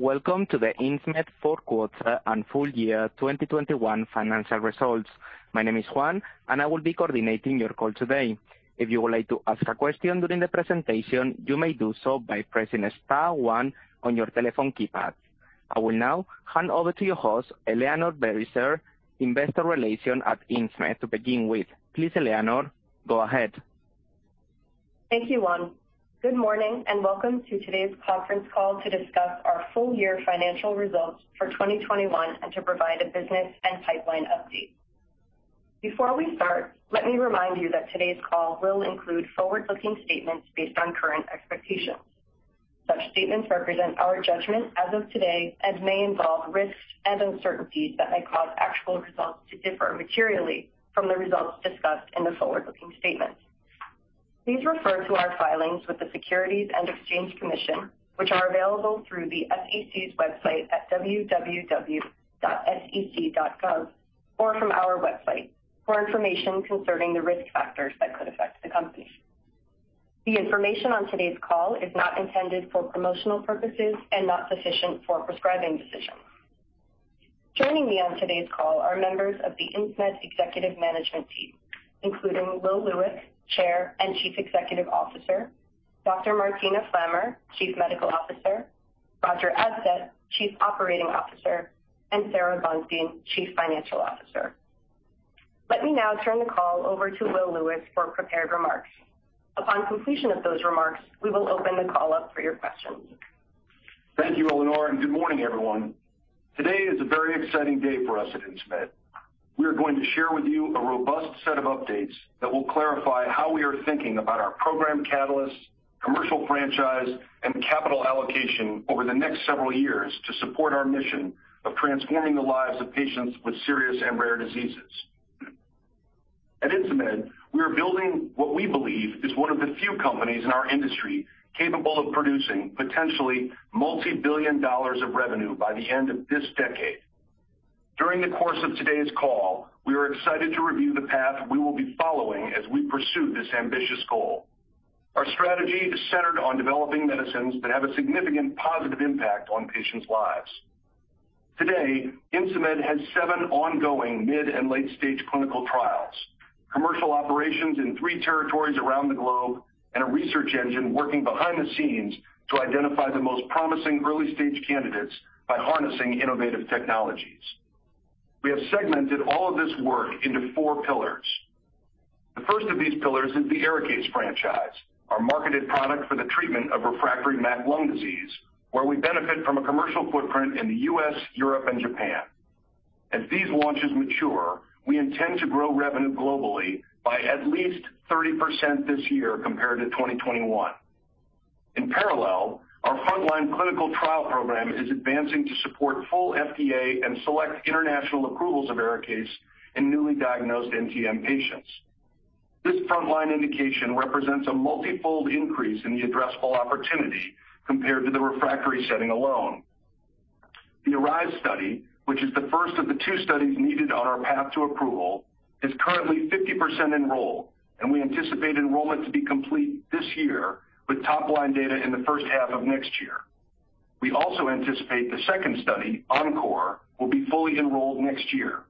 Welcome to the Insmed fourth quarter and full-year 2021 financial results. My name is Juan, and I will be coordinating your call today. If you would like to ask a question during the presentation, you may do so by pressing star one on your telephone keypad. I will now hand over to your host, Eleanor Barisser, Investor Relations at Insmed, to begin with. Please, Eleanor, go ahead. Thank you, Juan. Good morning, and welcome to today's conference call to discuss our full-year financial results for 2021 and to provide a business and pipeline update. Before we start, let me remind you that today's call will include forward-looking statements based on current expectations. Such statements represent our judgment as of today and may involve risks and uncertainties that may cause actual results to differ materially from the results discussed in the forward-looking statements. Please refer to our filings with the Securities and Exchange Commission, which are available through the SEC's website at www.sec.gov or from our website for information concerning the risk factors that could affect the company. The information on today's call is not intended for promotional purposes and not sufficient for prescribing decisions. Joining me on today's call are members of the Insmed executive management team, including Will Lewis, Chair and Chief Executive Officer, Dr. Martina Flammer, Chief Medical Officer, Roger Adsett, Chief Operating Officer, and Sara Bonstein, Chief Financial Officer. Let me now turn the call over to Will Lewis for prepared remarks. Upon completion of those remarks, we will open the call up for your questions. Thank you, Eleanor, and good morning, everyone. Today is a very exciting day for us at Insmed. We are going to share with you a robust set of updates that will clarify how we are thinking about our program catalysts, commercial franchise, and capital allocation over the next several years to support our mission of transforming the lives of patients with serious and rare diseases. At Insmed, we are building what we believe is one of the few companies in our industry capable of producing potentially multi-billion dollars of revenue by the end of this decade. During the course of today's call, we are excited to review the path we will be following as we pursue this ambitious goal. Our strategy is centered on developing medicines that have a significant positive impact on patients' lives. Today, Insmed has seven ongoing mid and late-stage clinical trials, commercial operations in three territories around the globe, and a research engine working behind the scenes to identify the most promising early-stage candidates by harnessing innovative technologies. We have segmented all of this work into four pillars. The first of these pillars is the ARIKAYCE franchise, our marketed product for the treatment of refractory MAC lung disease, where we benefit from a commercial footprint in the U.S., Europe, and Japan. As these launches mature, we intend to grow revenue globally by at least 30% this year compared to 2021. In parallel, our frontline clinical trial program is advancing to support full FDA and select international approvals of ARIKAYCE in newly diagnosed NTM patients. This frontline indication represents a multi-fold increase in the addressable opportunity compared to the refractory setting alone. The ARISE study, which is the first of the two studies needed on our path to approval, is currently 50% enrolled, and we anticipate enrollment to be complete this year with top-line data in the first half of next year. We also anticipate the second study, ENCORE, will be fully enrolled next year.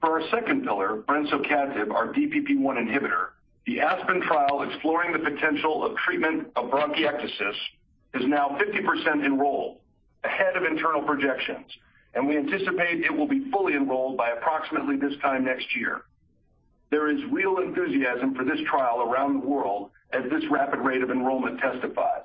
For our second pillar, brensocatib, our DPP1 inhibitor, the ASPEN trial exploring the potential of treatment of bronchiectasis is now 50% enrolled, ahead of internal projections, and we anticipate it will be fully enrolled by approximately this time next year. There is real enthusiasm for this trial around the world as this rapid rate of enrollment testifies.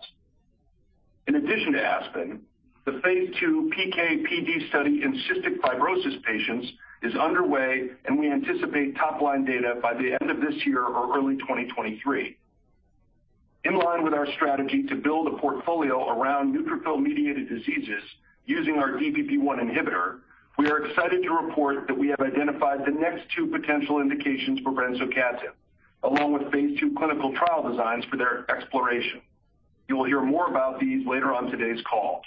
In addition to ASPEN, the phase II PK/PD study in cystic fibrosis patients is underway, and we anticipate top-line data by the end of this year or early 2023. In line with our strategy to build a portfolio around neutrophil-mediated diseases using our DPP1 inhibitor, we are excited to report that we have identified the next two potential indications for brensocatib, along with phase II clinical trial designs for their exploration. You will hear more about these later on today's call.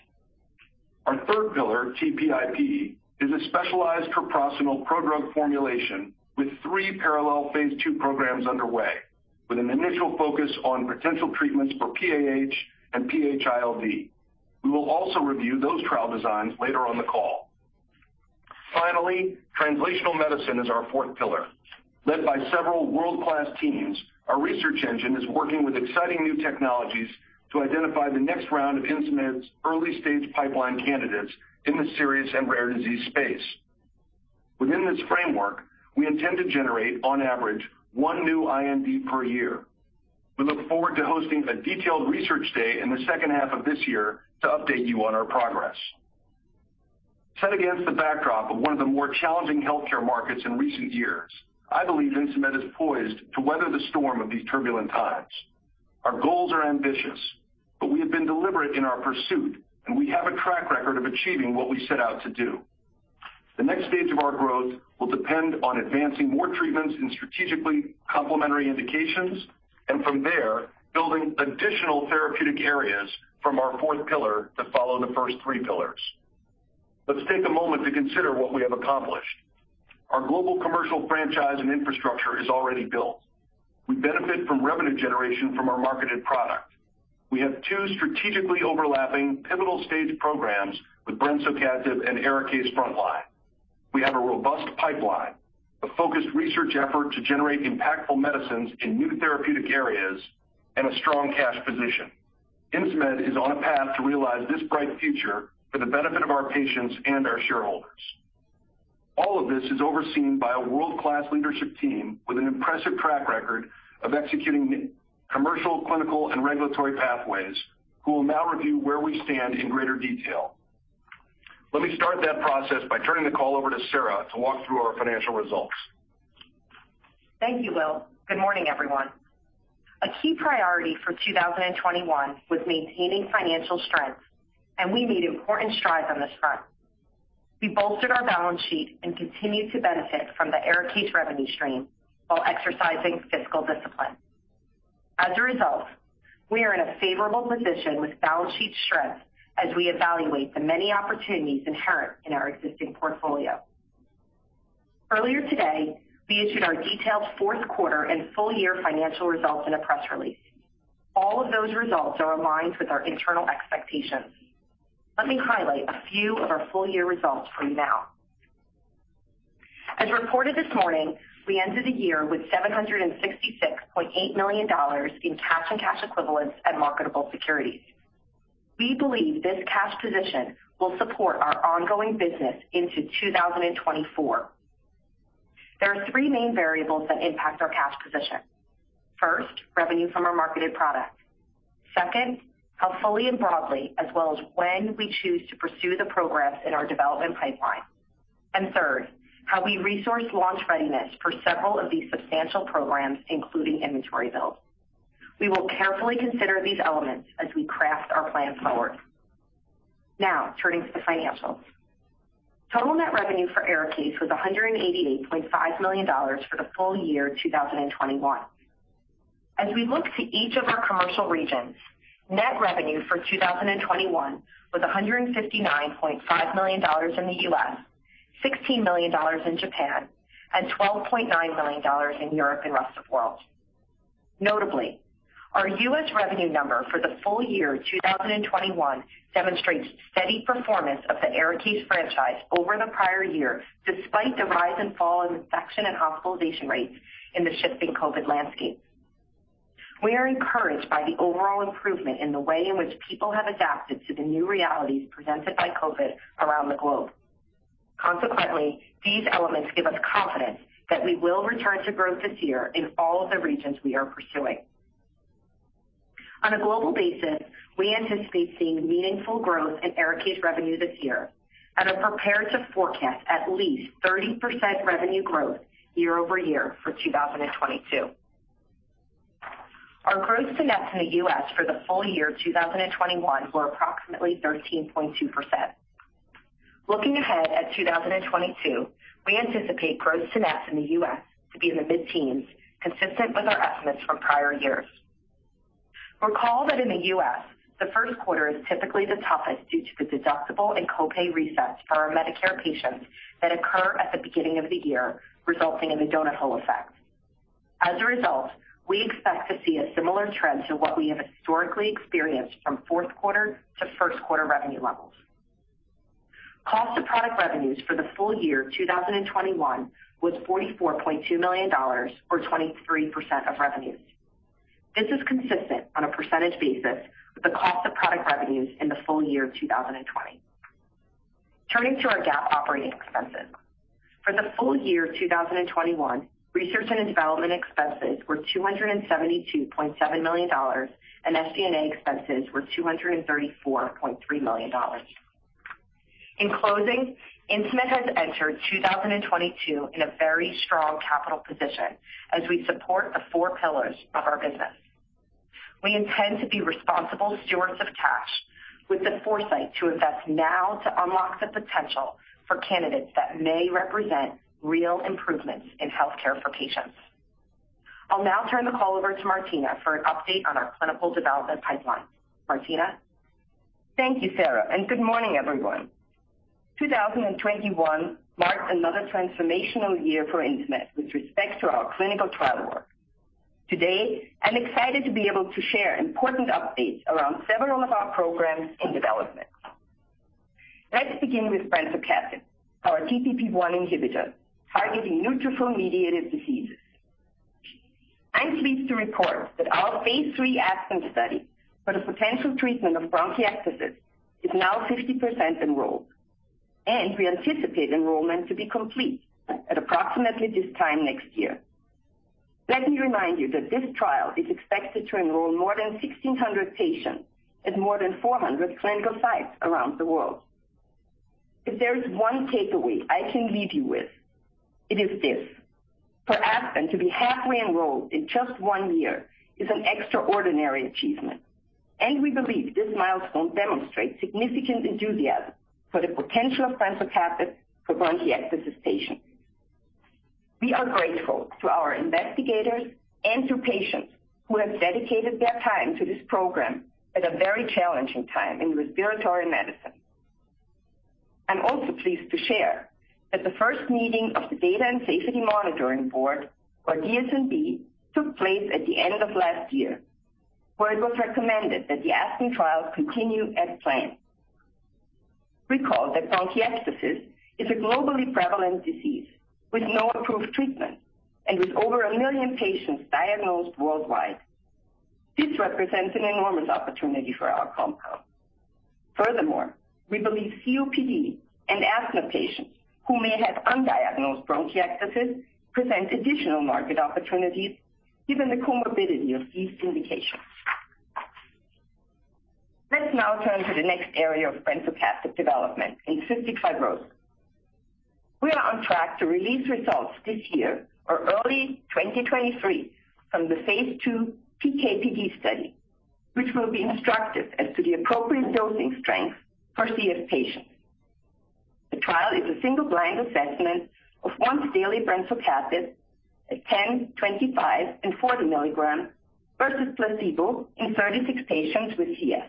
Our third pillar, TPIP, is a specialized treprostinil prodrug formulation with three parallel phase II programs underway, with an initial focus on potential treatments for PAH and PH-ILD. We will also review those trial designs later on the call. Finally, translational medicine is our fourth pillar. Led by several world-class teams, our research engine is working with exciting new technologies to identify the next round of Insmed's early-stage pipeline candidates in the serious and rare disease space. Within this framework, we intend to generate, on average, one new IND per year. We look forward to hosting a detailed research day in the second half of this year to update you on our progress. Set against the backdrop of one of the more challenging healthcare markets in recent years, I believe Insmed is poised to weather the storm of these turbulent times. Our goals are ambitious, but we have been deliberate in our pursuit, and we have a track record of achieving what we set out to do. The next stage of our growth will depend on advancing more treatments in strategically complementary indications and from there, building additional therapeutic areas from our fourth pillar to follow the first three pillars. Let's take a moment to consider what we have accomplished. Our global commercial franchise and infrastructure is already built. We benefit from revenue generation from our marketed product. We have two strategically overlapping pivotal stage programs with brensocatib and ARIKAYCE frontline. We have a robust pipeline, a focused research effort to generate impactful medicines in new therapeutic areas and a strong cash position. Insmed is on a path to realize this bright future for the benefit of our patients and our shareholders. All of this is overseen by a world-class leadership team with an impressive track record of executing commercial, clinical, and regulatory pathways who will now review where we stand in greater detail. Let me start that process by turning the call over to Sara to walk through our financial results. Thank you, Will. Good morning, everyone. A key priority for 2021 was maintaining financial strength, and we made important strides on this front. We bolstered our balance sheet and continued to benefit from the ARIKAYCE revenue stream while exercising fiscal discipline. As a result, we are in a favorable position with balance sheet strength as we evaluate the many opportunities inherent in our existing portfolio. Earlier today, we issued our detailed fourth quarter and full year financial results in a press release. All of those results are aligned with our internal expectations. Let me highlight a few of our full year results for you now. As reported this morning, we ended the year with $766.8 million in cash and cash equivalents and marketable securities. We believe this cash position will support our ongoing business into 2024. There are three main variables that impact our cash position. First, revenue from our marketed products. Second, how fully and broadly, as well as when we choose to pursue the progress in our development pipeline. Third, how we resource launch readiness for several of these substantial programs, including inventory build. We will carefully consider these elements as we craft our plan forward. Now, turning to the financials. Total net revenue for ARIKAYCE was $188.5 million for the full year 2021. As we look to each of our commercial regions, net revenue for 2021 was $159.5 million in the U.S., $16 million in Japan and $12.9 million in Europe and rest of world. Notably, our U.S. revenue number for the full year 2021 demonstrates steady performance of the ARIKAYCE franchise over the prior year, despite the rise and fall in infection and hospitalization rates in the shifting COVID landscape. We are encouraged by the overall improvement in the way in which people have adapted to the new realities presented by COVID around the globe. Consequently, these elements give us confidence that we will return to growth this year in all of the regions we are pursuing. On a global basis, we anticipate seeing meaningful growth in ARIKAYCE revenue this year and are prepared to forecast at least 30% revenue growth year over year for 2022. Our gross to net in the U.S. for the full year 2021 were approximately 13.2%. Looking ahead at 2022, we anticipate gross to net in the U.S. to be in the mid-teens, consistent with our estimates from prior years. Recall that in the U.S., the first quarter is typically the toughest due to the deductible and copay resets for our Medicare patients that occur at the beginning of the year, resulting in the donut hole effect. As a result, we expect to see a similar trend to what we have historically experienced from fourth quarter to first quarter revenue levels. Cost of product revenues for the full year 2021 was $44.2 million or 23% of revenues. This is consistent on a percentage basis with the cost of product revenues in the full year 2020. Turning to our GAAP operating expenses. For the full year 2021, research and development expenses were $272.7 million, and SG&A expenses were $234.3 million. In closing, Insmed has entered 2022 in a very strong capital position as we support the four pillars of our business. We intend to be responsible stewards of cash with the foresight to invest now to unlock the potential for candidates that may represent real improvements in healthcare for patients. I'll now turn the call over to Martina for an update on our clinical development pipeline. Martina. Thank you, Sara, and good morning, everyone. 2021 marked another transformational year for Insmed with respect to our clinical trial work. Today, I'm excited to be able to share important updates around several of our programs in development. Let's begin with brensocatib, our DPP1 inhibitor targeting neutrophil-mediated diseases. I'm pleased to report that our phase III ASPEN study for the potential treatment of bronchiectasis is now 50% enrolled, and we anticipate enrollment to be complete at approximately this time next year. Let me remind you that this trial is expected to enroll more than 1,600 patients at more than 400 clinical sites around the world. If there is one takeaway I can leave you with, it is this: for ASPEN to be halfway enrolled in just one year is an extraordinary achievement, and we believe this milestone demonstrates significant enthusiasm for the potential of brensocatib for bronchiectasis patients. We are grateful to our investigators and to patients who have dedicated their time to this program at a very challenging time in respiratory medicine. I'm also pleased to share that the first meeting of the Data and Safety Monitoring Board, or DSMB, took place at the end of last year, where it was recommended that the ASPEN trials continue as planned. Recall that bronchiectasis is a globally prevalent disease with no approved treatment and with over a million patients diagnosed worldwide. This represents an enormous opportunity for our compound. Furthermore, we believe COPD and asthma patients who may have undiagnosed bronchiectasis present additional market opportunities given the comorbidity of these indications. Let's now turn to the next area of brensocatib development in cystic fibrosis. We are on track to release results this year or early 2023 from the phase II PK/PD study, which will be instructive as to the appropriate dosing strength for CF patients. The trial is a single-blind assessment of once-daily brensocatib at 10, 25, and 40 mg versus placebo in 36 patients with CF.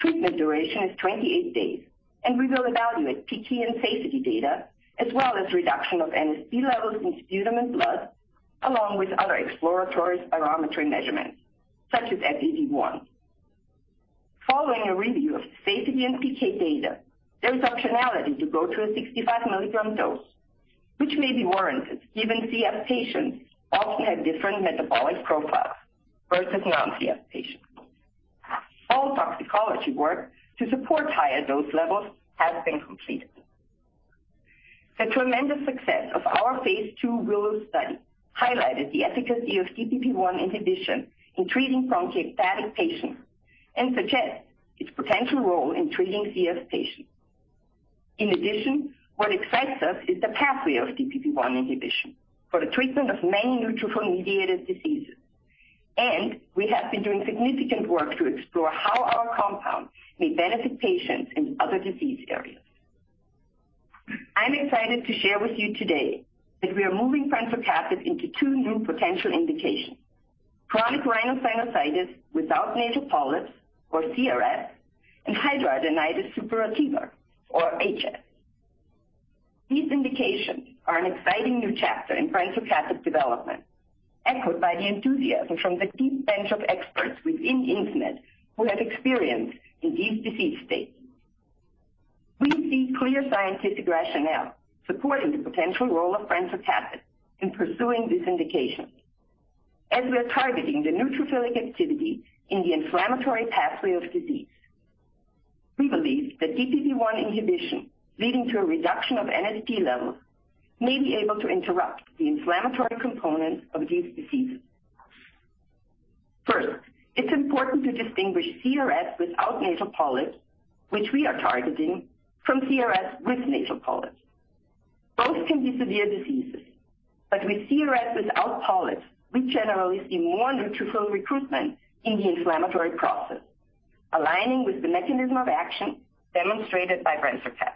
Treatment duration is 28 days, and we will evaluate PK and safety data, as well as reduction of NSP levels in sputum and blood, along with other exploratory spirometry measurements, such as FEV1. Following a review of safety and PK data, there is optionality to go to a 65 mg dose, which may be warranted given CF patients often have different metabolic profiles versus non-CF patients. All toxicology work to support higher dose levels has been completed. The tremendous success of our phase II WILLOW study highlighted the efficacy of DPP1 inhibition in treating bronchiectasis patients and suggests its potential role in treating CF patients. In addition, what excites us is the pathway of DPP1 inhibition for the treatment of many neutrophil-mediated diseases. We have been doing significant work to explore how our compound may benefit patients in other disease areas. I'm excited to share with you today that we are moving brensocatib into two new potential indications, chronic rhinosinusitis without nasal polyps, or CRS, and hidradenitis suppurativa, or HS. These indications are an exciting new chapter in brensocatib development, echoed by the enthusiasm from the deep bench of experts within Insmed who have experience in these disease states. We see clear scientific rationale supporting the potential role of brensocatib in pursuing these indications, as we are targeting the neutrophilic activity in the inflammatory pathway of disease. We believe that DPP1 inhibition, leading to a reduction of NSP levels, may be able to interrupt the inflammatory components of these diseases. First, it's important to distinguish CRS without nasal polyps, which we are targeting, from CRS with nasal polyps. Both can be severe diseases, but with CRS without polyps, we generally see more neutrophil recruitment in the inflammatory process, aligning with the mechanism of action demonstrated by brensocatib.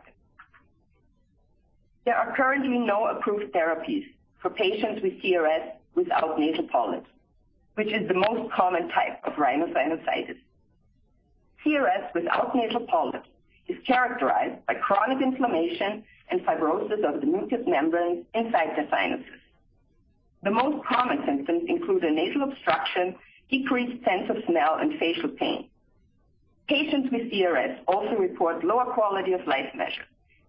There are currently no approved therapies for patients with CRS without nasal polyps, which is the most common type of rhinosinusitis. CRS without nasal polyps is characterized by chronic inflammation and fibrosis of the mucous membranes inside the sinuses. The most common symptoms include a nasal obstruction, decreased sense of smell, and facial pain. Patients with CRS also report lower quality of life measures,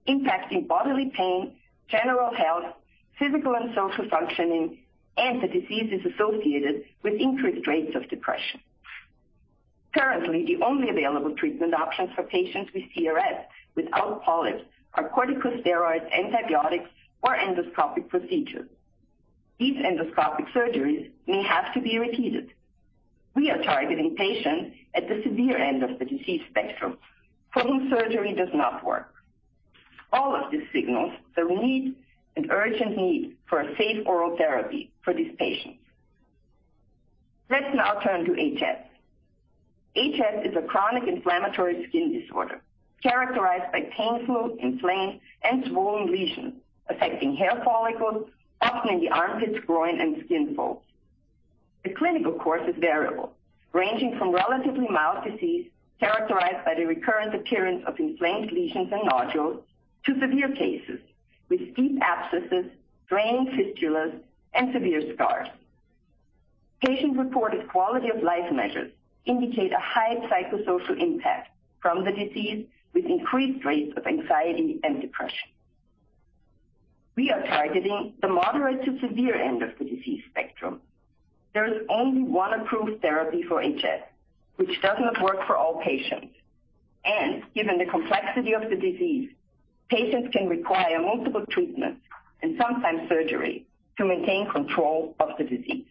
impacting bodily pain, general health, physical and social functioning, and the disease is associated with increased rates of depression. Currently, the only available treatment options for patients with CRS without polyps are corticosteroids, antibiotics or endoscopic procedures. These endoscopic surgeries may have to be repeated. We are targeting patients at the severe end of the disease spectrum for whom surgery does not work. All of this signals the need, an urgent need, for a safe oral therapy for these patients. Let's now turn to HS. HS is a chronic inflammatory skin disorder characterized by painful, inflamed, and swollen lesions affecting hair follicles, often in the armpits, groin, and skin folds. The clinical course is variable, ranging from relatively mild disease, characterized by the recurrent appearance of inflamed lesions and nodules, to severe cases with deep abscesses, draining fistulas, and severe scars. Patient-reported quality of life measures indicate a high psychosocial impact from the disease, with increased rates of anxiety and depression. We are targeting the moderate to severe end of the disease spectrum. There is only one approved therapy for HS, which does not work for all patients. Given the complexity of the disease, patients can require multiple treatments and sometimes surgery to maintain control of the disease.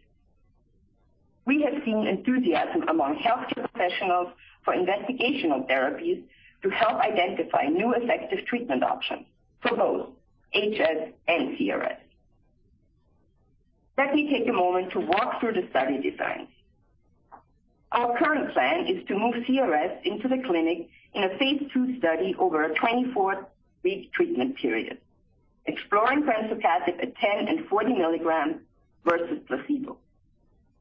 We have seen enthusiasm among healthcare professionals for investigational therapies to help identify new effective treatment options for both HS and CRS. Let me take a moment to walk through the study designs. Our current plan is to move CRS into the clinic in a phase II study over a 24-week treatment period, exploring brensocatib at 10 and 40 mg versus placebo,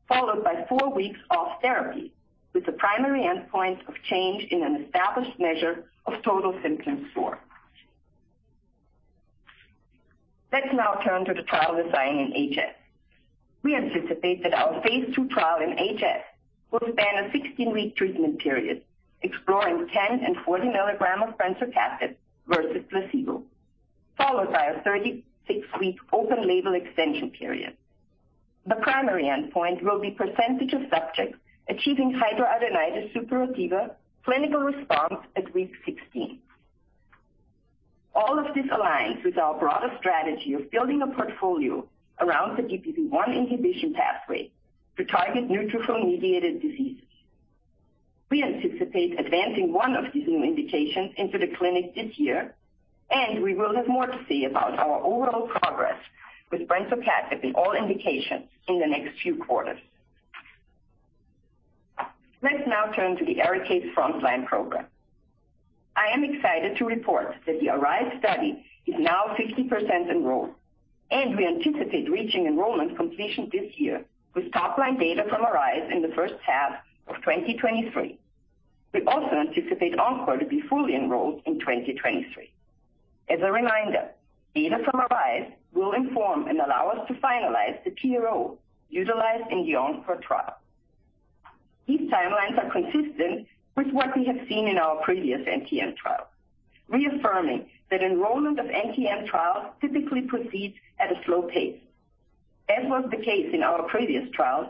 followed by four weeks off therapy with the primary endpoint of change in an established measure of total symptom score. Let's now turn to the trial design in HS. We anticipate that our phase II trial in HS will span a 16-week treatment period, exploring 10 and 40 mgs of brensocatib versus placebo, followed by a 36-week open label extension period. The primary endpoint will be percentage of subjects achieving HiSCR at week 16. All of this aligns with our broader strategy of building a portfolio around the DPP1 inhibition pathway to target neutrophil-mediated diseases. We anticipate advancing one of these new indications into the clinic this year, and we will have more to say about our overall progress with brensocatib in all indications in the next few quarters. Let's now turn to the ARIKAYCE frontline program. I am excited to report that the arrived study is now 50% enrolled, and we anticipate reaching enrollment completion this year, with top-line data from ARISE in the first half of 2023. We also anticipate ENCORE to be fully enrolled in 2023. As a reminder, data from ARISE will inform and allow us to finalize the PRO utilized in the ENCORE trial. These timelines are consistent with what we have seen in our previous NTM trial, reaffirming that enrollment of NTM trials typically proceeds at a slow pace. As was the case in our previous trials,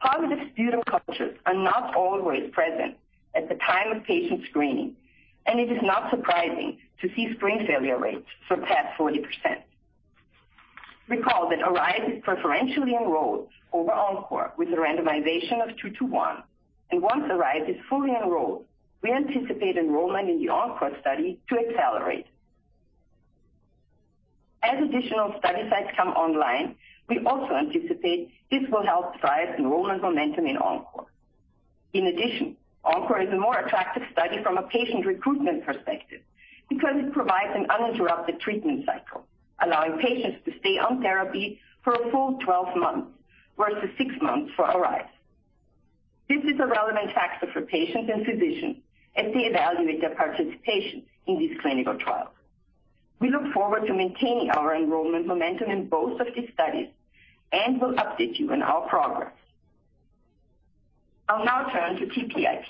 positive sputum cultures are not always present at the time of patient screening, and it is not surprising to see screen failure rates surpass 40%. Recall that ARISE is preferentially enrolled over ENCORE with a randomization of 2-to-1. Once ARISE is fully enrolled, we anticipate enrollment in the ENCORE study to accelerate. As additional study sites come online, we also anticipate this will help drive enrollment momentum in ENCORE. In addition, ENCORE is a more attractive study from a patient recruitment perspective because it provides an uninterrupted treatment cycle, allowing patients to stay on therapy for a full 12 months versus six months for ARISE. This is a relevant factor for patients and physicians as they evaluate their participation in these clinical trials. We look forward to maintaining our enrollment momentum in both of these studies and will update you on our progress. I'll now turn to TPIP.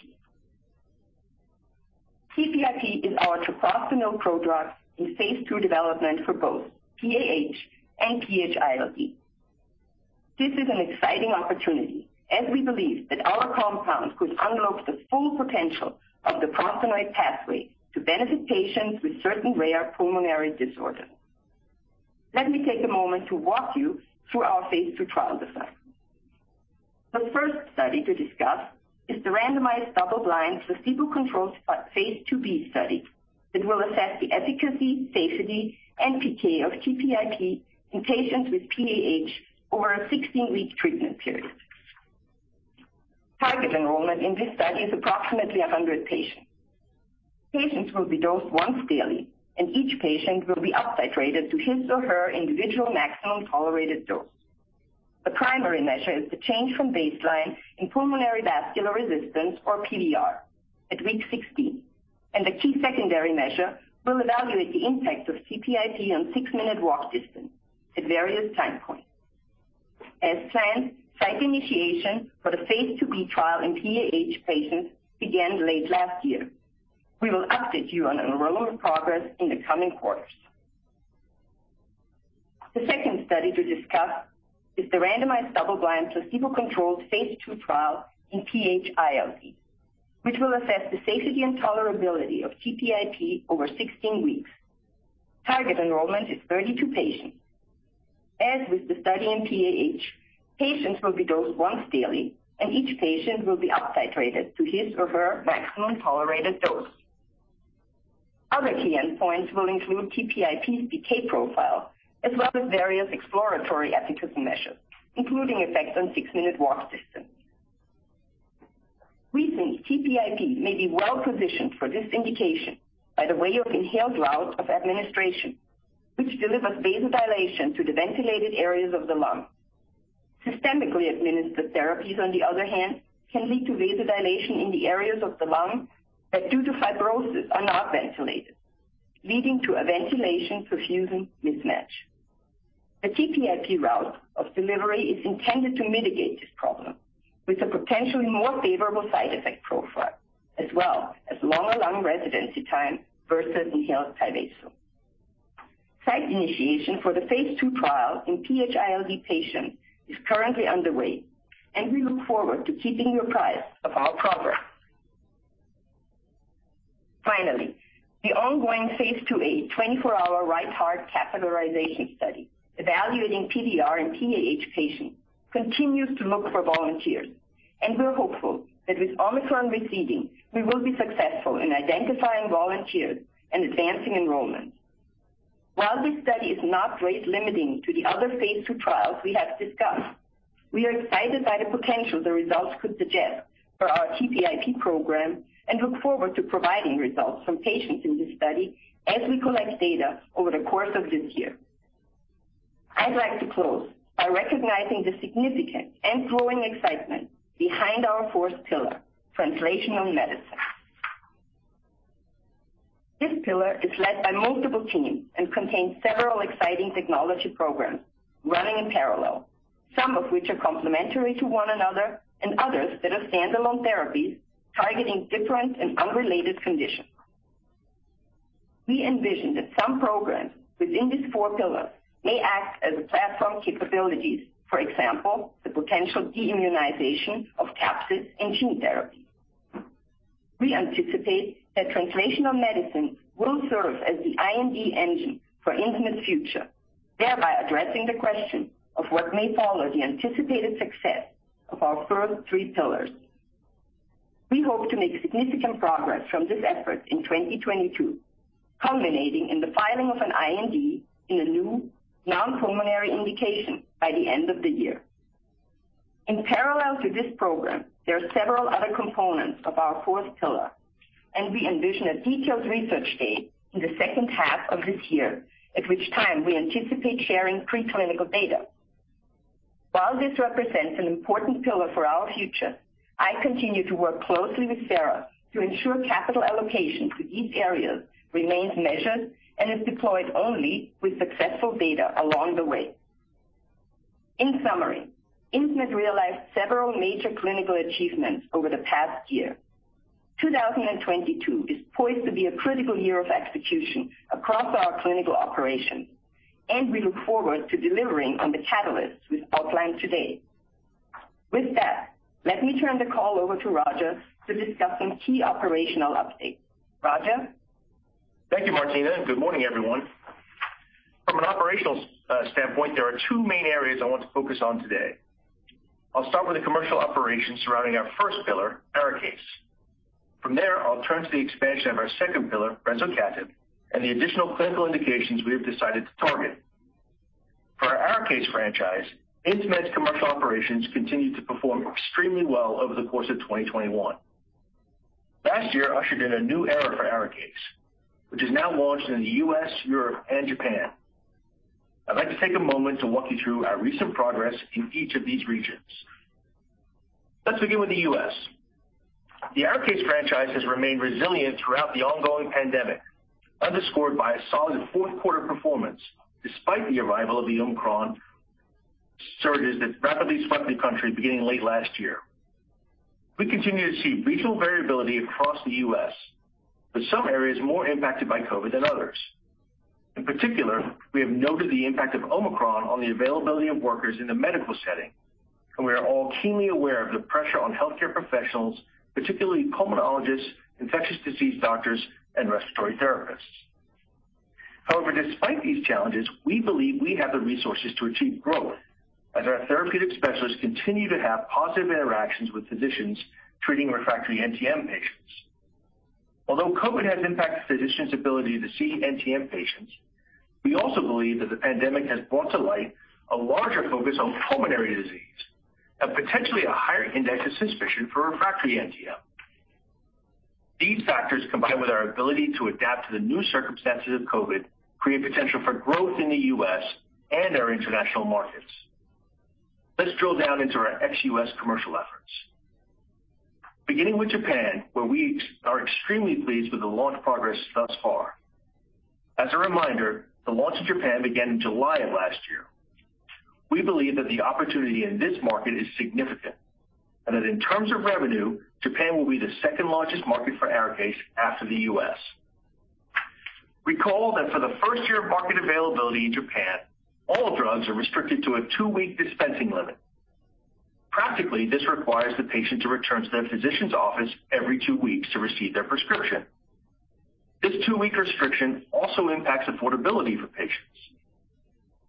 TPIP is our treprostinil prodrug in phase II development for both PAH and PH-ILD. This is an exciting opportunity as we believe that our compound could unlock the full potential of the prostacyclin pathway to benefit patients with certain rare pulmonary disorders. Let me take a moment to walk you through our phase II trial design. The first study to discuss is the randomized, double-blind, placebo-controlled phase II-B study that will assess the efficacy, safety, and PK of TPIP in patients with PAH over a 16-week treatment period. Target enrollment in this study is approximately 100 patients. Patients will be dosed once daily, and each patient will be up-titrated to his or her individual maximum tolerated dose. The primary measure is the change from baseline in pulmonary vascular resistance, or PVR, at week 16, and the key secondary measure will evaluate the impact of TPIP on six-minute walk distance at various time points. As planned, site initiation for the phase II-B trial in PAH patients began late last year. We will update you on enrollment progress in the coming quarters. The second study to discuss is the randomized, double-blind, placebo-controlled phase II trial in PH-ILD, which will assess the safety and tolerability of TPIP over 16 weeks. Target enrollment is 32 patients. As with the study in PAH, patients will be dosed once daily, and each patient will be up-titrated to his or her maximum tolerated dose. Other key endpoints will include TPIP's PK profile as well as various exploratory efficacy measures, including effect on six-minute walk distance. We think TPIP may be well-positioned for this indication by way of inhaled route of administration, which delivers vasodilation to the ventilated areas of the lung. Systemically administered therapies, on the other hand, can lead to vasodilation in the areas of the lung that, due to fibrosis, are not ventilated, leading to a ventilation-perfusion mismatch. The TPIP route of delivery is intended to mitigate this problem with a potentially more favorable side effect profile, as well as longer lung residency time versus inhaled TYVASO. Site initiation for the phase II trial in PH-ILD patients is currently underway, and we look forward to keeping you apprised of our progress. Finally, the ongoing phase II, a 24-hour right heart catheterization study evaluating PVR in PAH patients continues to look for volunteers, and we're hopeful that with Omicron receding, we will be successful in identifying volunteers and advancing enrollment. While this study is not rate-limiting to the other phase II trials we have discussed, we are excited by the potential the results could suggest for our TPIP program and look forward to providing results from patients in this study as we collect data over the course of this year. I'd like to close by recognizing the significant and growing excitement behind our fourth pillar, translational medicine. This pillar is led by multiple teams and contains several exciting technology programs running in parallel, some of which are complementary to one another and others that are standalone therapies targeting different and unrelated conditions. We envision that some programs within these four pillars may act as platform capabilities. For example, the potential de-immunization of capsid in gene therapy. We anticipate that translational medicine will serve as the IND engine for Insmed's future, thereby addressing the question of what may follow the anticipated success of our first three pillars. We hope to make significant progress from this effort in 2022, culminating in the filing of an IND in a new non-pulmonary indication by the end of the year. In parallel to this program, there are several other components of our fourth pillar, and we envision a detailed R&D day in the second half of this year, at which time we anticipate sharing pre-clinical data. While this represents an important pillar for our future, I continue to work closely with Sara to ensure capital allocation to each area remains measured and is deployed only with successful data along the way. In summary, Insmed realized several major clinical achievements over the past year. 2022 is poised to be a critical year of execution across our clinical operations, and we look forward to delivering on the catalysts we've outlined today. With that, let me turn the call over to Roger to discuss some key operational updates. Roger? Thank you, Martina. Good morning, everyone. From an operational standpoint, there are two main areas I want to focus on today. I'll start with the commercial operations surrounding our first pillar, ARIKAYCE. From there, I'll turn to the expansion of our second pillar, brensocatib, and the additional clinical indications we have decided to target. For our ARIKAYCE franchise, Insmed's commercial operations continued to perform extremely well over the course of 2021. Last year ushered in a new era for ARIKAYCE, which is now launched in the U.S., Europe, and Japan. I'd like to take a moment to walk you through our recent progress in each of these regions. Let's begin with the U.S. The ARIKAYCE franchise has remained resilient throughout the ongoing pandemic, underscored by a solid fourth quarter performance despite the arrival of the Omicron surges that rapidly swept the country beginning late last year. We continue to see regional variability across the U.S., with some areas more impacted by COVID than others. In particular, we have noted the impact of Omicron on the availability of workers in the medical setting, and we are all keenly aware of the pressure on healthcare professionals, particularly pulmonologists, infectious disease doctors, and respiratory therapists. However, despite these challenges, we believe we have the resources to achieve growth as our therapeutic specialists continue to have positive interactions with physicians treating refractory NTM patients. Although COVID has impacted physicians' ability to see NTM patients, we also believe that the pandemic has brought to light a larger focus on pulmonary disease and potentially a higher index of suspicion for refractory NTM. These factors, combined with our ability to adapt to the new circumstances of COVID, create potential for growth in the U.S. and our international markets. Let's drill down into our ex-US commercial efforts. Beginning with Japan, where we are extremely pleased with the launch progress thus far. As a reminder, the launch in Japan began in July of last year. We believe that the opportunity in this market is significant and that in terms of revenue, Japan will be the second-largest market for ARIKAYCE after the U.S. Recall that for the first year of market availability in Japan, all drugs are restricted to a two-week dispensing limit. Practically, this requires the patient to return to their physician's office every two weeks to receive their prescription. This two-week restriction also impacts affordability for patients.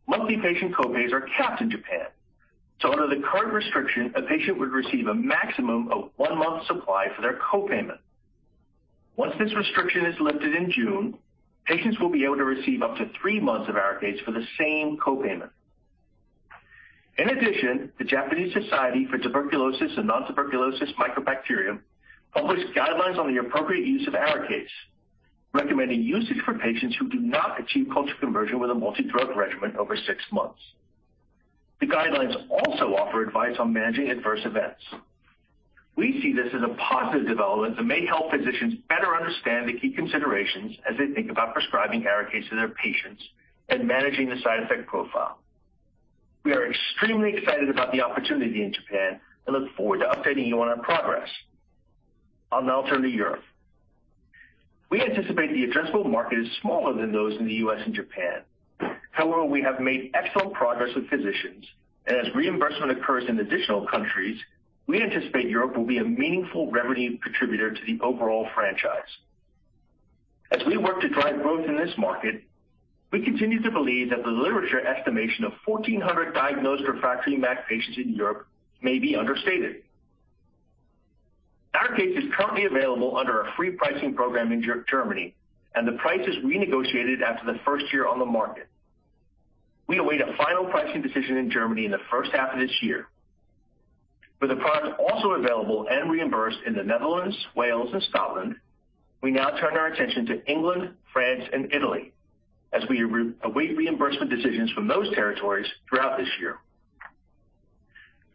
Monthly patient co-pays are capped in Japan, so under the current restriction, a patient would receive a maximum of one month's supply for their co-payment. Once this restriction is lifted in June, patients will be able to receive up to three months of ARIKAYCE for the same co-payment. In addition, the Japanese Society for Tuberculosis and Nontuberculous Mycobacteriosis published guidelines on the appropriate use of ARIKAYCE, recommending usage for patients who do not achieve culture conversion with a multi-drug regimen over six months. The guidelines also offer advice on managing adverse events. We see this as a positive development that may help physicians better understand the key considerations as they think about prescribing ARIKAYCE to their patients and managing the side effect profile. We are extremely excited about the opportunity in Japan and look forward to updating you on our progress. I'll now turn to Europe. We anticipate the addressable market is smaller than those in the U.S. and Japan. However, we have made excellent progress with physicians, and as reimbursement occurs in additional countries, we anticipate Europe will be a meaningful revenue contributor to the overall franchise. As we work to drive growth in this market, we continue to believe that the literature estimation of 1,400 diagnosed refractory MAC patients in Europe may be understated. ARIKAYCE is currently available under a free pricing program in Germany, and the price is renegotiated after the first year on the market. We await a final pricing decision in Germany in the first half of this year. With the product also available and reimbursed in the Netherlands, Wales and Scotland, we now turn our attention to England, France and Italy as we await reimbursement decisions from those territories throughout this year.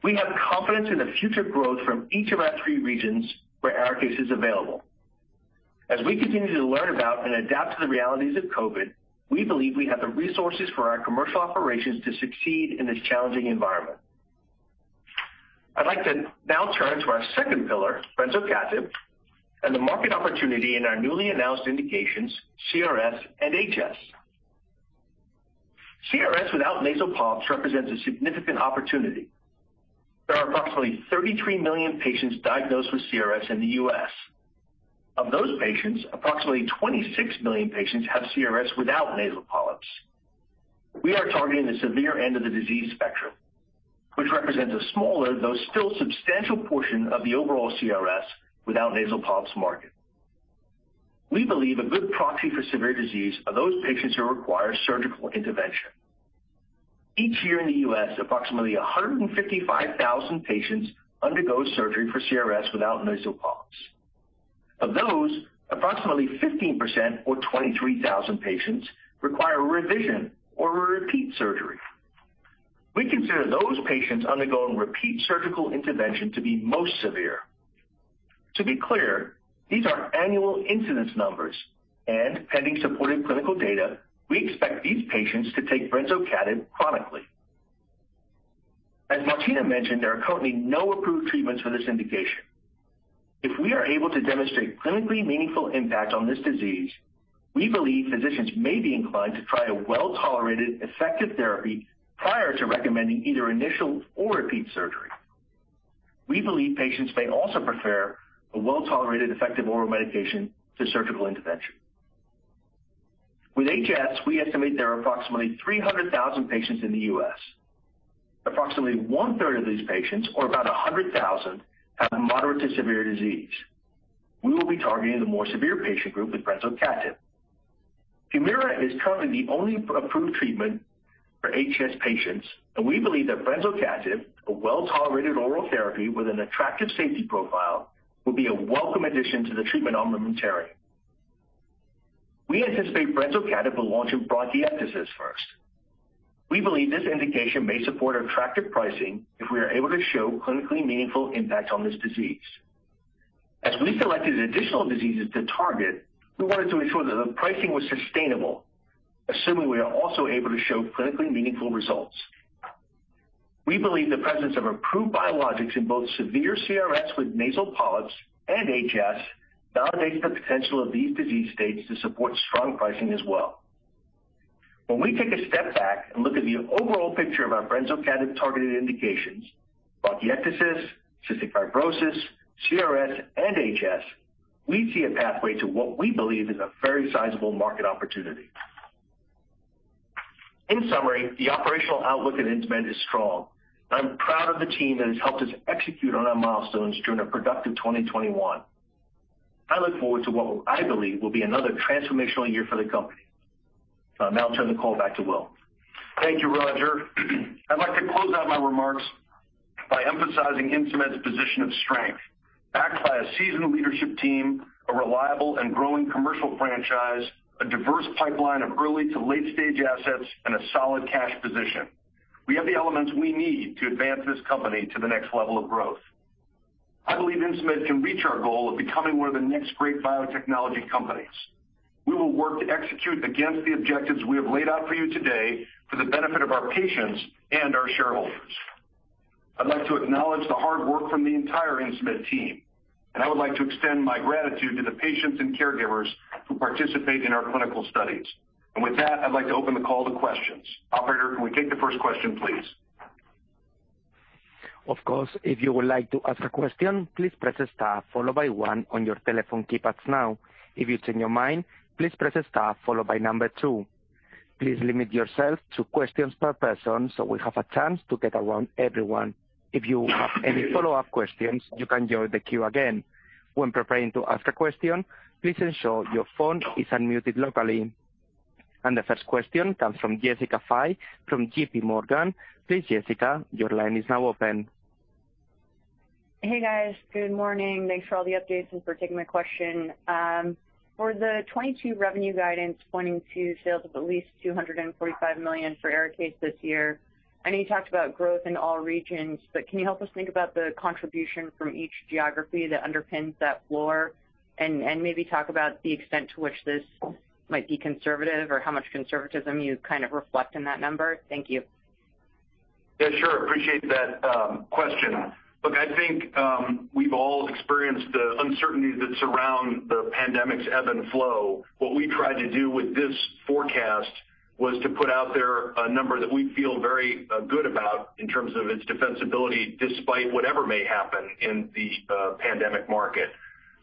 We have confidence in the future growth from each of our three regions where ARIKAYCE is available. As we continue to learn about and adapt to the realities of COVID, we believe we have the resources for our commercial operations to succeed in this challenging environment. I'd like to now turn to our second pillar, brensocatib, and the market opportunity in our newly announced indications, CRS and HS. CRS without nasal polyps represents a significant opportunity. There are approximately 33 million patients diagnosed with CRS in the U.S. Of those patients, approximately 26 million patients have CRS without nasal polyps. We are targeting the severe end of the disease spectrum, which represents a smaller, though still substantial portion of the overall CRS without nasal polyps market. We believe a good proxy for severe disease are those patients who require surgical intervention. Each year in the U.S., approximately 155,000 patients undergo surgery for CRS without nasal polyps. Of those, approximately 15% or 23,000 patients require revision or a repeat surgery. We consider those patients undergoing repeat surgical intervention to be most severe. To be clear, these are annual incidence numbers and pending supported clinical data, we expect these patients to take brensocatib chronically. As Martina mentioned, there are currently no approved treatments for this indication. If we are able to demonstrate clinically meaningful impact on this disease, we believe physicians may be inclined to try a well-tolerated, effective therapy prior to recommending either initial or repeat surgery. We believe patients may also prefer a well-tolerated effective oral medication to surgical intervention. With HS, we estimate there are approximately 300,000 patients in the U.S. Approximately one-third of these patients, or about 100,000, have moderate to severe disease. We will be targeting the more severe patient group with brensocatib. HUMIRA is currently the only approved treatment for HS patients, and we believe that brensocatib, a well-tolerated oral therapy with an attractive safety profile, will be a welcome addition to the treatment armamentarium. We anticipate brensocatib will launch in bronchiectasis first. We believe this indication may support attractive pricing if we are able to show clinically meaningful impact on this disease. As we selected additional diseases to target, we wanted to ensure that the pricing was sustainable, assuming we are also able to show clinically meaningful results. We believe the presence of approved biologics in both severe CRS with nasal polyps and HS validates the potential of these disease states to support strong pricing as well. When we take a step back and look at the overall picture of our brensocatib targeted indications, bronchiectasis, cystic fibrosis, CRS and HS, we see a pathway to what we believe is a very sizable market opportunity. In summary, the operational outlook at Insmed is strong. I'm proud of the team that has helped us execute on our milestones during a productive 2021. I look forward to what I believe will be another transformational year for the company. I'll now turn the call back to Will. Thank you, Roger. I'd like to close out my remarks by emphasizing Insmed's position of strength, backed by a seasoned leadership team, a reliable and growing commercial franchise, a diverse pipeline of early to late-stage assets, and a solid cash position. We have the elements we need to advance this company to the next level of growth. I believe Insmed can reach our goal of becoming one of the next great biotechnology companies. We will work to execute against the objectives we have laid out for you today for the benefit of our patients and our shareholders. I'd like to acknowledge the hard work from the entire Insmed team, and I would like to extend my gratitude to the patients and caregivers who participate in our clinical studies. With that, I'd like to open the call to questions. Operator, can we take the first question, please? Of course. If you would like to ask a question, please press star followed by one on your telephone keypads now. If you change your mind, please press star followed by number two. Please limit yourself to questions per person so we have a chance to get around everyone. If you have any follow-up questions, you can join the queue again. When preparing to ask a question, please ensure your phone is unmuted locally. The first question comes from Jessica Fye from JPMorgan. Please, Jessica, your line is now open. Hey, guys. Good morning. Thanks for all the updates and for taking my question. For the 2022 revenue guidance pointing to sales of at least $245 million for ARIKAYCE this year, I know you talked about growth in all regions, but can you help us think about the contribution from each geography that underpins that floor? Maybe talk about the extent to which this might be conservative or how much conservatism you kind of reflect in that number. Thank you. Yeah, sure. Appreciate that, question. Look, I think we've all experienced the uncertainty that surround the pandemic's ebb and flow. What we tried to do with this forecast was to put out there a number that we feel very good about in terms of its defensibility despite whatever may happen in the pandemic market.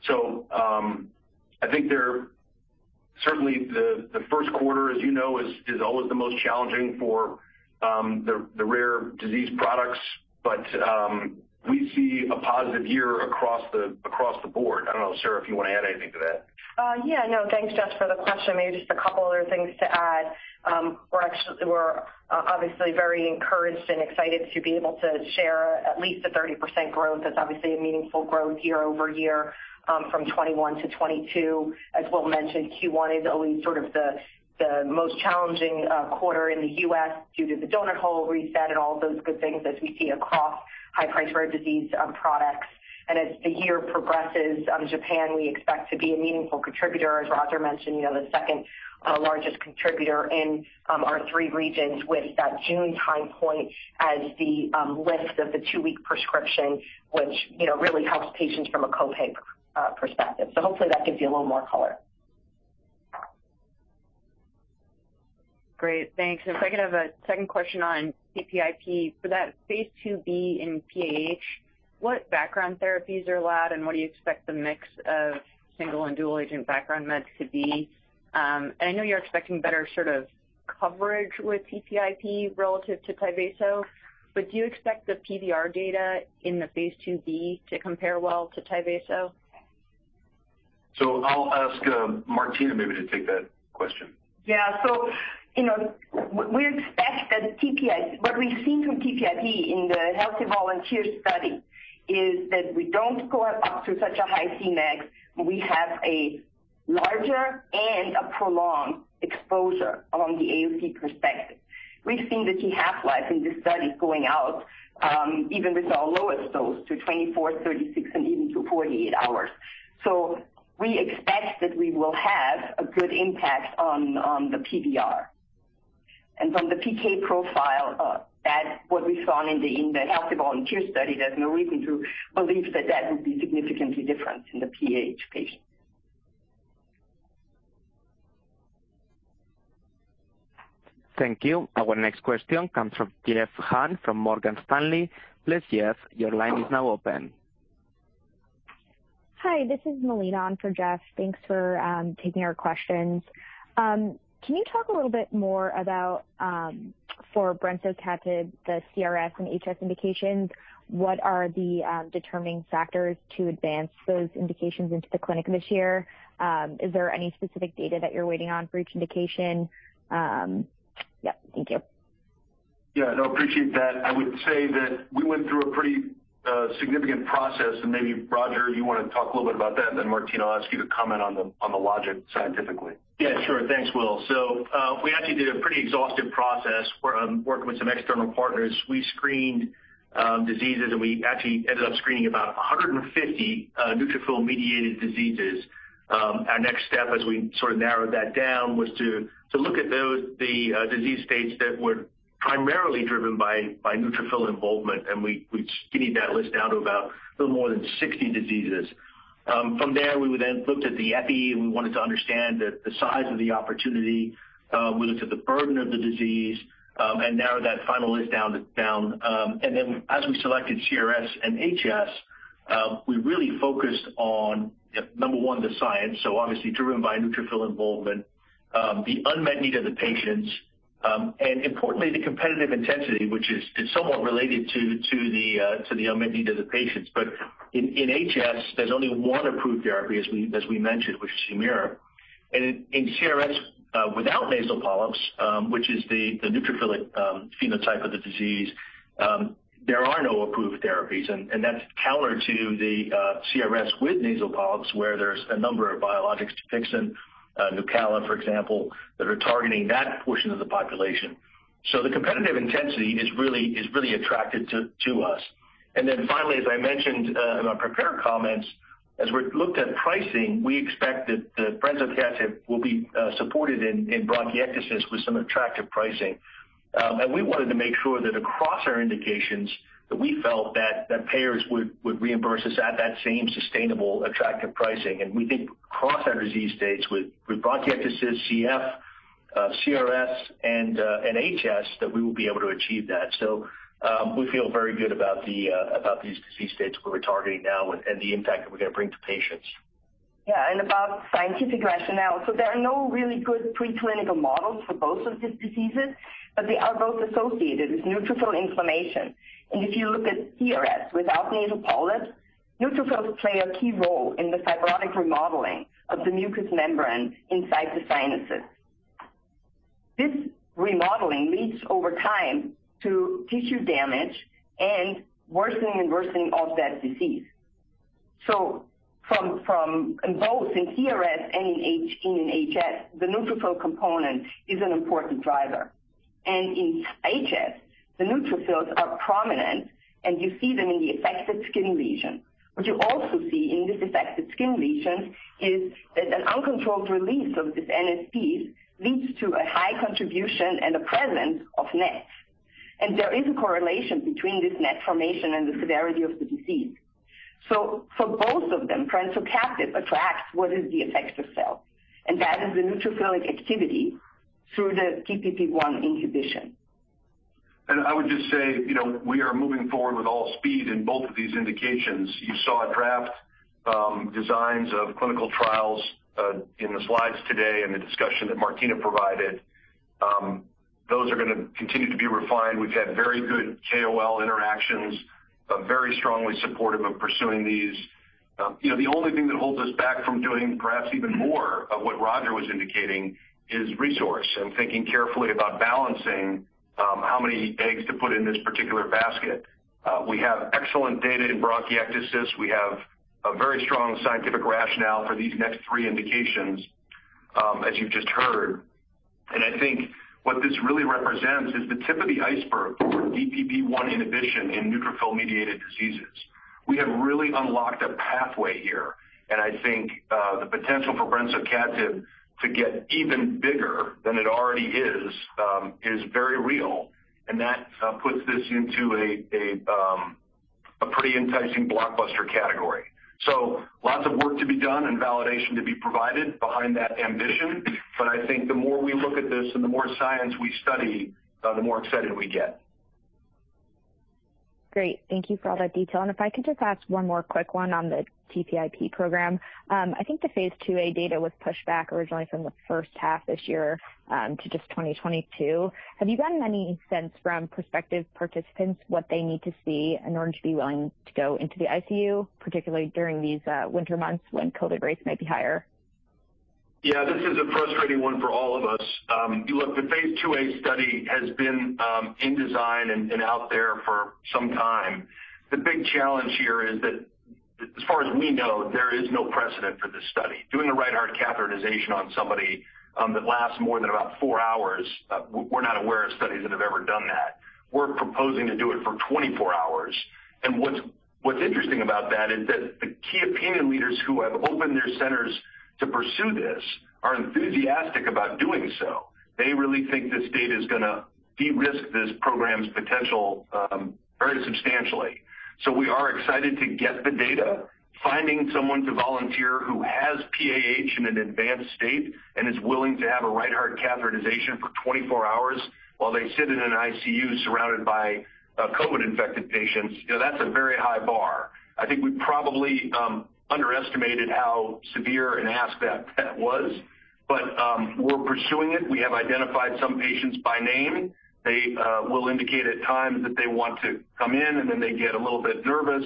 I think certainly the first quarter, as you know, is always the most challenging for the rare disease products. We see a positive year across the board. I don't know, Sara, if you wanna add anything to that. Yeah, no. Thanks, Jess, for the question. Maybe just a couple other things to add. We're actually obviously very encouraged and excited to be able to share at least the 30% growth. That's obviously a meaningful growth year-over-year from 2021-2022. As Will mentioned, Q1 is always sort of the most challenging quarter in the U.S. due to the donut hole reset and all of those good things as we see across high-price rare disease products. As the year progresses, Japan we expect to be a meaningful contributor. As Roger mentioned, you know, the second largest contributor in our three regions with that June time point as the lift of the two-week prescription, which, you know, really helps patients from a co-pay perspective. Hopefully that gives you a little more color. Great. Thanks. If I could have a second question on TPIP. For that phase II-B in PAH, what background therapies are allowed, and what do you expect the mix of single and dual agent background meds to be? And I know you're expecting better sort of coverage with TPIP relative to TYVASO, but do you expect the PVR data in the phase II-B to compare well to TYVASO? I'll ask Martina maybe to take that question. Yeah. You know, what we've seen from TPIP in the healthy volunteer study is that we don't go up to such a high Cmax, and we have a larger and a prolonged exposure along the AUC perspective. We've seen the T half-life in this study going out, even with our lowest dose to 24, 36 and even to 48 hours. We expect that we will have a good impact on the PVR. From the PK profile, what we saw in the healthy volunteer study, there's no reason to believe that would be significantly different in the PAH patients. Thank you. Our next question comes from Jeff Hung from Morgan Stanley. Please, Jeff, your line is now open. Hi, this is Melina on for Jeff. Thanks for taking our questions. Can you talk a little bit more about for brensocatib, the CRS and HS indications, what are the determining factors to advance those indications into the clinic this year? Is there any specific data that you're waiting on for each indication? Yeah. Thank you. Yeah. No, appreciate that. I would say that we went through a pretty significant process. Maybe, Roger, you wanna talk a little bit about that, and then Martina, I'll ask you to comment on the logic scientifically. Yeah, sure. Thanks, Will. We actually did a pretty exhaustive process work, working with some external partners. We screened diseases, and we actually ended up screening about 150 neutrophil-mediated diseases. Our next step as we sort of narrowed that down was to look at those disease states that were primarily driven by neutrophil involvement, and we skinny that list down to about a little more than 60 diseases. From there, we would then looked at the epi, and we wanted to understand the size of the opportunity, we looked at the burden of the disease, and narrowed that final list down to. As we selected CRS and HS, we really focused on number one, the science, so obviously driven by neutrophil involvement, the unmet need of the patients, and importantly, the competitive intensity, which is somewhat related to the unmet need of the patients. In HS, there's only one approved therapy as we mentioned, which is HUMIRA. In CRS without nasal polyps, which is the neutrophilic phenotype of the disease, there are no approved therapies. That's counter to the CRS with nasal polyps, where there's a number of biologic depictions, Nucala, for example, that are targeting that portion of the population. The competitive intensity is really attractive to us. Finally, as I mentioned in my prepared comments, as we looked at pricing, we expect that the brensocatib will be supported in bronchiectasis with some attractive pricing. We wanted to make sure that across our indications that we felt that the payers would reimburse us at that same sustainable, attractive pricing. We think across our disease states with bronchiectasis, CF, CRS, and HS, that we will be able to achieve that. We feel very good about these disease states we're targeting now and the impact that we're gonna bring to patients. Yeah. About scientific rationale. There are no really good preclinical models for both of these diseases, but they are both associated with neutrophil inflammation. If you look at CRS without nasal polyps, neutrophils play a key role in the fibrotic remodeling of the mucous membrane inside the sinuses. This remodeling leads over time to tissue damage and worsening of that disease. From both in CRS and in HS, the neutrophil component is an important driver. In HS, the neutrophils are prominent, and you see them in the affected skin lesion. What you also see in this affected skin lesion is that an uncontrolled release of this NSP leads to a high contribution and a presence of NETs. There is a correlation between this NET formation and the severity of the disease. For both of them, brensocatib attacks what is the effector cell, and that is the neutrophilic activity through the DPP1 inhibition. I would just say, you know, we are moving forward with all speed in both of these indications. You saw draft designs of clinical trials in the slides today in the discussion that Martina provided. Those are going to continue to be refined. We've had very good KOL interactions, very strongly supportive of pursuing these. You know, the only thing that holds us back from doing perhaps even more of what Roger was indicating is resource and thinking carefully about balancing how many eggs to put in this particular basket. We have excellent data in bronchiectasis. We have a very strong scientific rationale for these next three indications, as you've just heard. I think what this really represents is the tip of the iceberg for DPP1 inhibition in neutrophil-mediated diseases. We have really unlocked a pathway here, and I think the potential for brensocatib to get even bigger than it already is is very real, and that puts this into a pretty enticing blockbuster category. Lots of work to be done and validation to be provided behind that ambition. I think the more we look at this and the more science we study, the more excited we get. Great. Thank you for all that detail. If I could just ask one more quick one on the TPIP program. I think the phase IIa data was pushed back originally from the first half this year to just 2022. Have you gotten any sense from prospective participants what they need to see in order to be willing to go into the ICU, particularly during these winter months when COVID rates may be higher? Yeah, this is a frustrating one for all of us. Look, the phase II-A study has been in design and out there for some time. The big challenge here is that as far as we know, there is no precedent for this study. Doing the right heart catheterization on somebody that lasts more than about 4 hours, we're not aware of studies that have ever done that. We're proposing to do it for 24 hours. What's interesting about that is that the key opinion leaders who have opened their centers to pursue this are enthusiastic about doing so. They really think this data is going to de-risk this program's potential very substantially. We are excited to get the data. Finding someone to volunteer who has PAH in an advanced state and is willing to have a right heart catheterization for 24 hours while they sit in an ICU surrounded by COVID-infected patients, you know, that's a very high bar. I think we probably underestimated how severe an aspect that was, but we're pursuing it. We have identified some patients by name. They will indicate at times that they want to come in, and then they get a little bit nervous.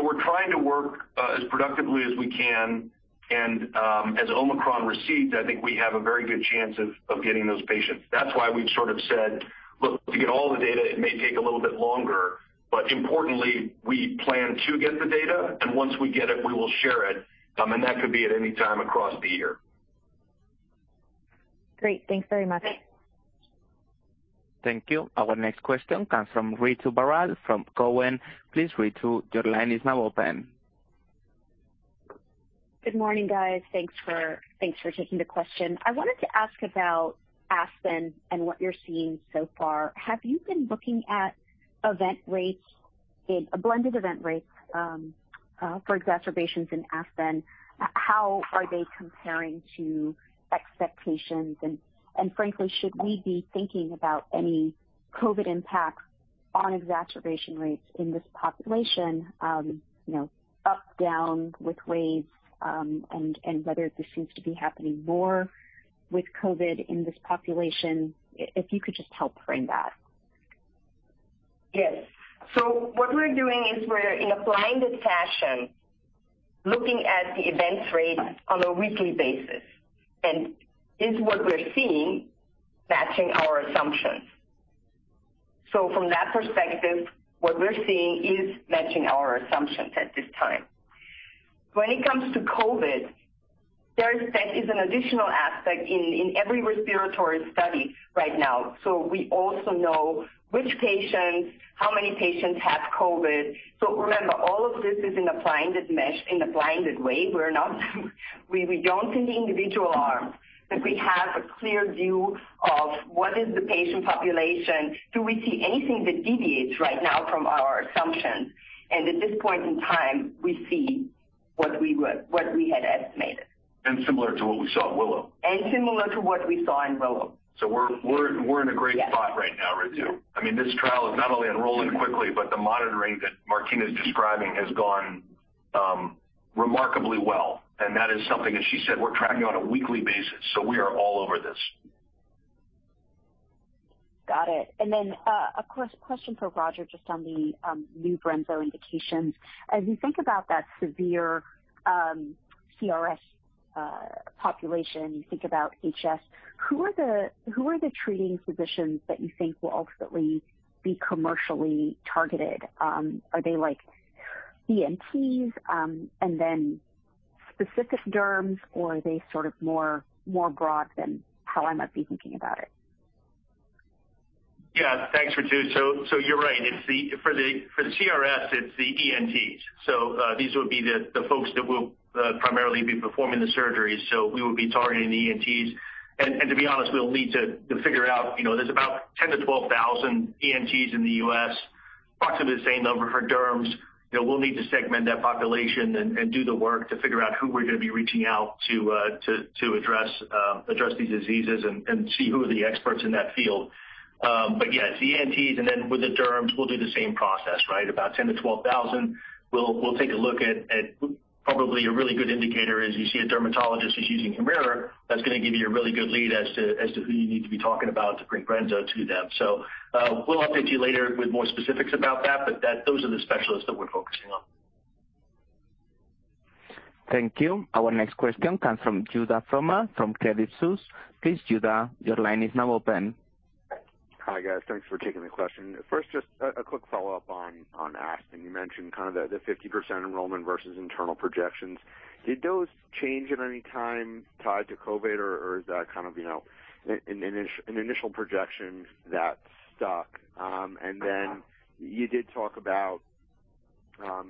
We're trying to work as productively as we can. As Omicron recedes, I think we have a very good chance of getting those patients. That's why we've sort of said, "Look, to get all the data, it may take a little bit longer." But importantly, we plan to get the data, and once we get it, we will share it. That could be at any time across the year. Great. Thanks very much. Thank you. Our next question comes from Ritu Baral from Cowen. Please, Ritu, your line is now open. Good morning, guys. Thanks for taking the question. I wanted to ask about ASPEN and what you're seeing so far. Have you been looking at blended event rates for exacerbations in ASPEN? How are they comparing to expectations? Frankly, should we be thinking about any COVID impacts on exacerbation rates in this population, you know, up, down with waves, and whether this seems to be happening more with COVID in this population? If you could just help frame that. Yes. What we're doing is we're in a blinded fashion looking at the event rate on a weekly basis. Is what we're seeing matching our assumptions? From that perspective, what we're seeing is matching our assumptions at this time. When it comes to COVID, there is, that is, an additional aspect in every respiratory study right now. We also know which patients, how many patients have COVID. Remember, all of this is in a blinded manner, in a blinded way. We're not, we don't see the individual arms, but we have a clear view of what is the patient population, do we see anything that deviates right now from our assumptions? At this point in time, we see what we had estimated. Similar to what we saw in WILLOW. Similar to what we saw in WILLOW. We're in a great spot right now, Ritu. I mean, this trial is not only enrolling quickly, but the monitoring that Martina is describing has gone remarkably well. That is something, as she said, we're tracking on a weekly basis. We are all over this. Got it. A question for Roger, just on the new brensocatib indications. As you think about that severe CRS population, you think about HS, who are the treating physicians that you think will ultimately be commercially targeted? Are they like ENTs, and then specific derms, or are they sort of more broad than how I might be thinking about it? Yeah. Thanks, Ritu. You're right. It's the—for the CRS, it's the ENTs. These would be the folks that will primarily be performing the surgeries. We would be targeting the ENTs. To be honest, we'll need to figure out, you know. There's about 10-12,000 ENTs in the U.S. Approximately the same number for derms. You know, we'll need to segment that population and do the work to figure out who we're gonna be reaching out to address these diseases and see who are the experts in that field. Yeah, it's ENTs and then with the derms we'll do the same process, right? About 10,000-12,000. We'll take a look at probably a really good indicator is you see a dermatologist who's using HUMIRA, that's gonna give you a really good lead as to who you need to be talking about to bring brensocatib to them. We'll update you later with more specifics about that, but those are the specialists that we're focusing on. Thank you. Our next question comes from Judah Frommer from Credit Suisse. Please, Judah, your line is now open. Hi, guys. Thanks for taking the question. First, just a quick follow-up on ASPEN. You mentioned kind of the 50% enrollment versus internal projections. Did those change at any time tied to COVID or is that kind of, you know, an initial projection that stuck? You did talk about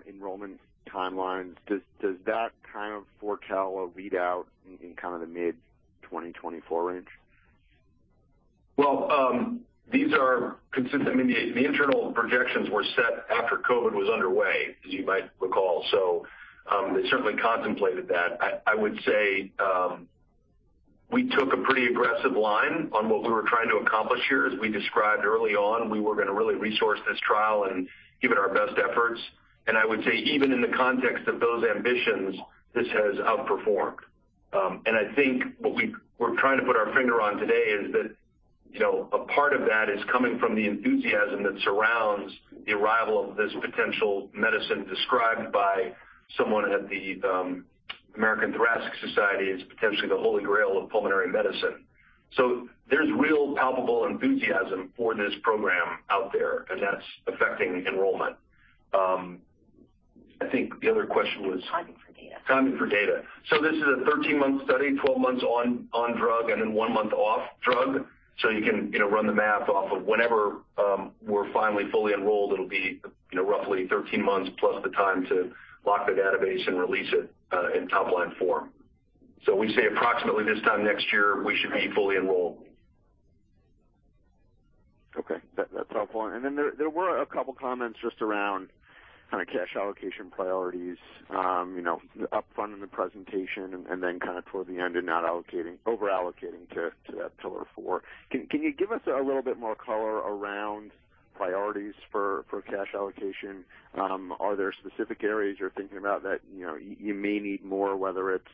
enrollment timelines. Does that kind of foretell a read out in kind of the mid-2024 range? Well, these are consistent. I mean the internal projections were set after COVID was underway, as you might recall. They certainly contemplated that. I would say we took a pretty aggressive line on what we were trying to accomplish here. As we described early on, we were gonna really resource this trial and give it our best efforts. I would say even in the context of those ambitions, this has outperformed. I think what we're trying to put our finger on today is that, you know, a part of that is coming from the enthusiasm that surrounds the arrival of this potential medicine described by someone at the American Thoracic Society as potentially the holy grail of pulmonary medicine. There's real palpable enthusiasm for this program out there, and that's affecting enrollment. I think the other question was- Timing for data. -timing for data. This is a 13-month study, 12 months on drug and then one-month off drug. You can, you know, run the math off of whenever we're finally fully enrolled. It'll be, you know, roughly 13 months plus the time to lock the database and release it in top-line form. We say approximately this time next year, we should be fully enrolled. Okay. That's helpful. Then there were a couple comments just around kind of cash allocation priorities, you know, upfront in the presentation and then kind of toward the end and not over allocating to that pillar four. Can you give us a little bit more color around priorities for cash allocation? Are there specific areas you're thinking about that, you know, you may need more, whether it's,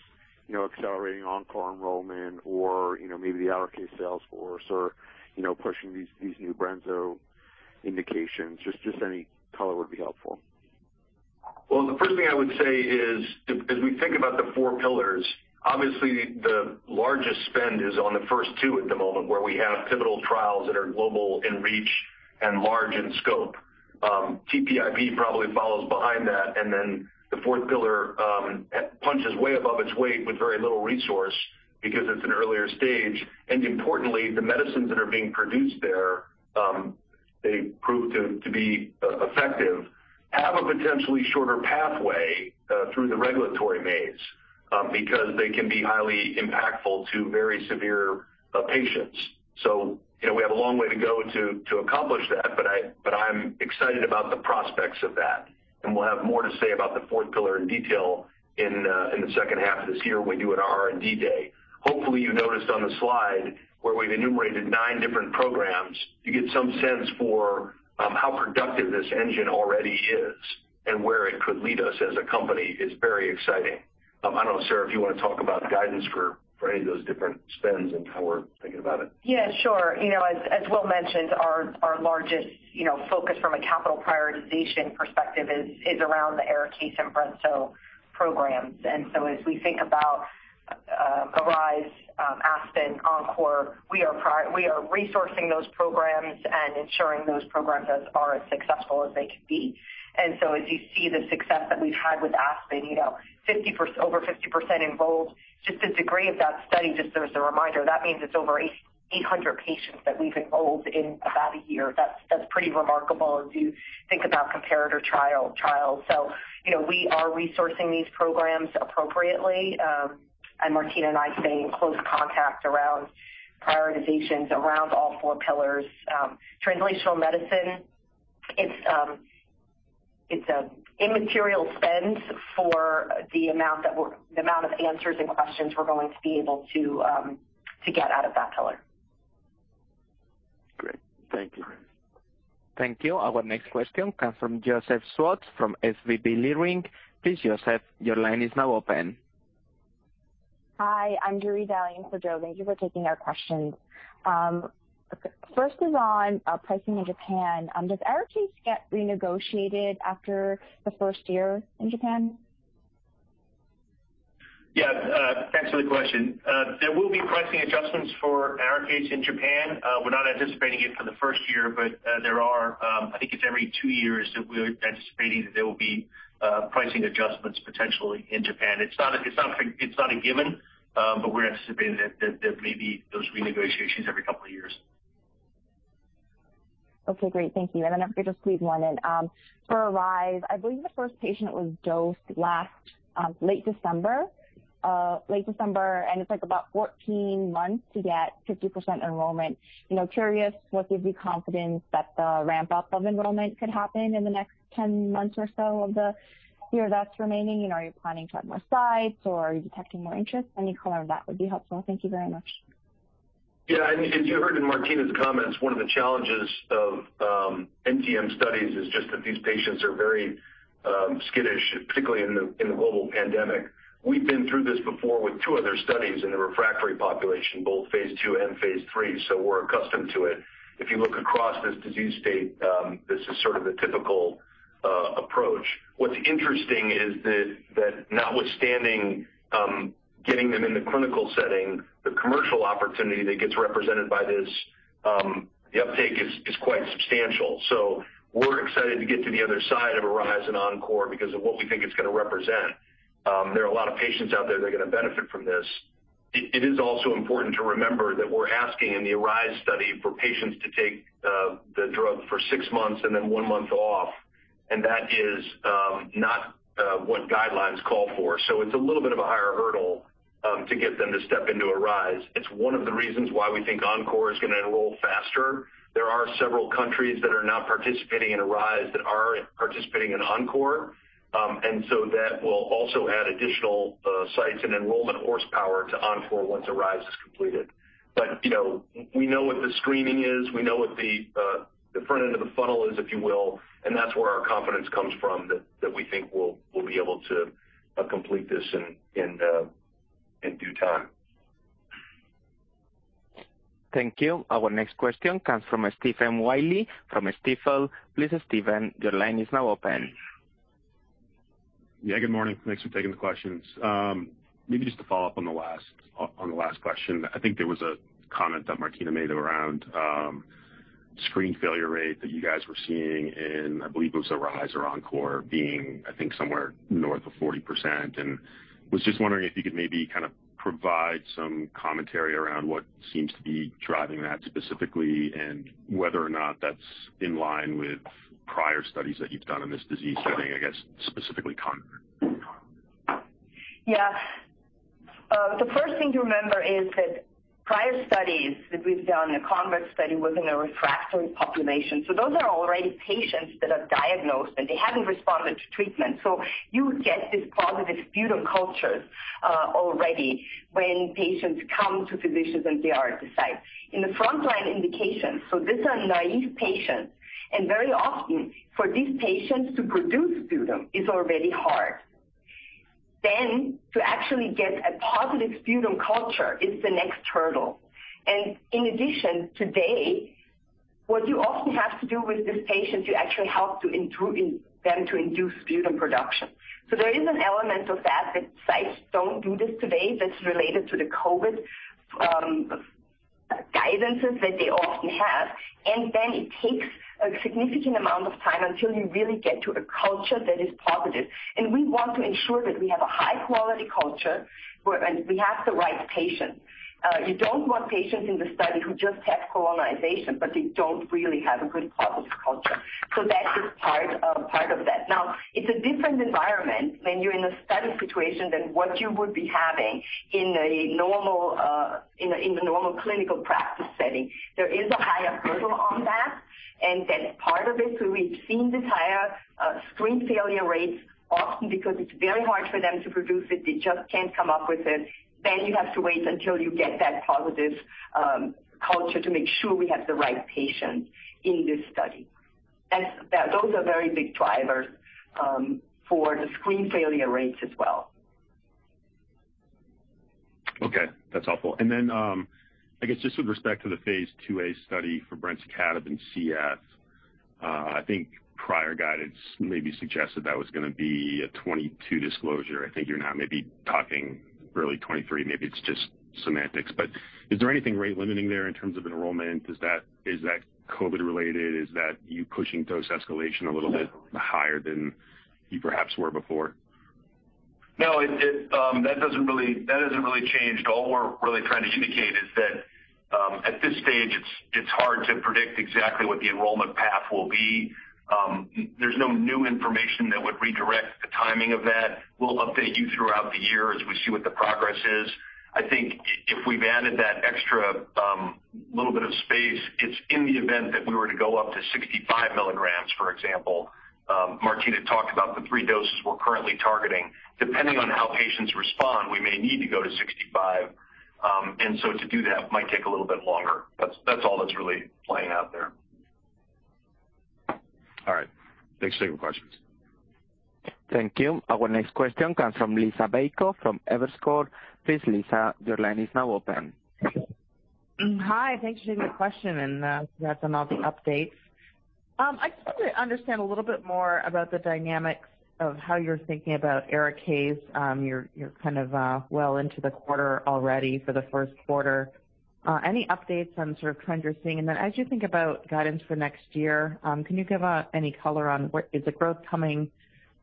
you know, accelerating ENCORE enrollment or, you know, maybe the ARIKAYCE sales force or, you know, pushing these new brensocatib indications? Just any color would be helpful. Well, the first thing I would say is as we think about the four pillars, obviously the largest spend is on the first two at the moment, where we have pivotal trials that are global in reach and large in scope. TPIP probably follows behind that, and then the fourth pillar punches way above its weight with very little resource because it's an earlier stage. Importantly, the medicines that are being produced there, they prove to be effective, have a potentially shorter pathway through the regulatory maze, because they can be highly impactful to very severe patients. You know, we have a long way to go to accomplish that, but I'm excited about the prospects of that. We'll have more to say about the fourth pillar in detail in the second half of this year when we do an R&D day. Hopefully, you noticed on the slide where we've enumerated nine different programs, you get some sense for how productive this engine already is and where it could lead us as a company is very exciting. I don't know, Sara, if you wanna talk about guidance for any of those different spends and how we're thinking about it. Yeah, sure. You know, as Will mentioned, our largest, you know, focus from a capital prioritization perspective is around the ARIKAYCE and brensocatib programs. As we think about ARISE, ASPEN, ENCORE, we are resourcing those programs and ensuring those programs are as successful as they can be. As you see the success that we've had with ASPEN, you know, over 50% enrolled, just the degree of that study, just as a reminder, that means it's over 800 patients that we've enrolled in about a year. That's pretty remarkable as you think about comparator trial. You know, we are resourcing these programs appropriately. Martina and I stay in close contact around prioritizations around all four pillars. Translational medicine, it's an immaterial spend for the amount of answers and questions we're going to be able to get out of that pillar. Great. Thank you. Thank you. Our next question comes from Joseph Schwartz from SVB Leerink. Please, Joseph, your line is now open. Hi, I'm Joori vouching for Joe. Thank you for taking our questions. First is on pricing in Japan. Does ARIKAYCE get renegotiated after the first year in Japan? Yeah. Thanks for the question. There will be pricing adjustments for ARIKAYCE in Japan. We're not anticipating it for the first year, but there are, I think it's every two years that we're anticipating that there will be pricing adjustments potentially in Japan. It's not a given, but we're anticipating that maybe those renegotiations every couple of years. Okay, great. Thank you. If I could just squeeze one in. For ARISE, I believe the first patient was dosed last late December and it's like about 14 months to get 50% enrollment. You know, curious what gives you confidence that the ramp-up of enrollment could happen in the next 10 months or so of the year that's remaining? You know, are you planning to have more sites, or are you detecting more interest? Any color on that would be helpful. Thank you very much. Yeah. As you heard in Martina's comments, one of the challenges of NTM studies is just that these patients are very skittish, particularly in the global pandemic. We've been through this before with two other studies in the refractory population, both phase II and phase III, so we're accustomed to it. If you look across this disease state, this is sort of the typical approach. What's interesting is that that notwithstanding, getting them in the clinical setting, the commercial opportunity that gets represented by this, the uptake is quite substantial. We're excited to get to the other side of ARISE and ENCORE because of what we think it's gonna represent. There are a lot of patients out there that are gonna benefit from this. It is also important to remember that we're asking in the ARISE study for patients to take the drug for six months and then one month off, and that is not what guidelines call for. It's a little bit of a higher hurdle to get them to step into ARISE. It's one of the reasons why we think ENCORE is gonna enroll faster. There are several countries that are not participating in ARISE that are participating in ENCORE. That will also add additional sites and enrollment horsepower to ENCORE once ARISE is completed. You know, we know what the screening is, we know what the front end of the funnel is, if you will, and that's where our confidence comes from that we think we'll be able to complete this in due time. Thank you. Our next question comes from Stephen Willey from Stifel. Please, Stephen, your line is now open. Yeah, good morning. Thanks for taking the questions. Maybe just to follow up on the last question. I think there was a comment that Martina made around screen failure rate that you guys were seeing and I believe it was ARISE or ENCORE being, I think, somewhere north of 40%. Was just wondering if you could maybe kind of provide some commentary around what seems to be driving that specifically and whether or not that's in line with prior studies that you've done in this disease setting, I guess specifically CONVERT. Yeah, the first thing to remember is that prior studies that we've done, the CONVERT study was in a refractory population. Those are already patients that are diagnosed, and they haven't responded to treatment. You get these positive sputum cultures already when patients come to physicians and they are at the site. In the frontline indication, these are naive patients, and very often for these patients to produce sputum is already hard. To actually get a positive sputum culture is the next hurdle. In addition, today, what you often have to do with these patients, you actually have to instruct them to induce sputum production. There is an element of that sites don't do this today that's related to the COVID guidances that they often have. Then it takes a significant amount of time until you really get to a culture that is positive. We want to ensure that we have a high quality culture where and we have the right patient. You don't want patients in the study who just have colonization, but they don't really have a good positive culture. That is part of that. Now, it's a different environment when you're in a study situation than what you would be having in the normal clinical practice setting. There is a higher hurdle on that. Part of it, we've seen this higher screen failure rates often because it's very hard for them to produce it. They just can't come up with it. You have to wait until you get that positive culture to make sure we have the right patient in this study. Those are very big drivers for the screen failure rates as well. Okay. That's helpful. Then, I guess just with respect to the phase II-A study for brensocatib in CF, I think prior guidance maybe suggested that was gonna be a 2022 disclosure. I think you're now maybe talking early 2023. Maybe it's just semantics, but is there anything rate-limiting there in terms of enrollment? Is that COVID related? Is that you pushing dose escalation a little bit higher than you perhaps were before? No. That doesn't really, that hasn't really changed. All we're really trying to indicate is that at this stage, it's hard to predict exactly what the enrollment path will be. There's no new information that would redirect the timing of that. We'll update you throughout the year as we see what the progress is. I think if we've added that extra little bit of space, it's in the event that we were to go up to 65 mg, for example. Martina talked about the three doses we're currently targeting. Depending on how patients respond, we may need to go to 65 mg. To do that might take a little bit longer. That's all that's really playing out there. All right. Thanks for taking the questions. Thank you. Our next question comes from Liisa Bayko from Evercore. Please, Lisa, your line is now open. Hi. Thanks for taking the question and, congrats on all the updates. I just want to understand a little bit more about the dynamics of how you're thinking about ARIKAYCE. You're kind of well into the quarter already for the first quarter. Any updates on sort of trends you're seeing? As you think about guidance for next year, can you give any color on what is the growth coming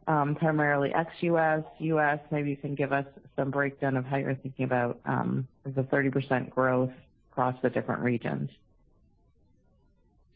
primarily ex-US, US? Maybe you can give us some breakdown of how you're thinking about the 30% growth across the different regions.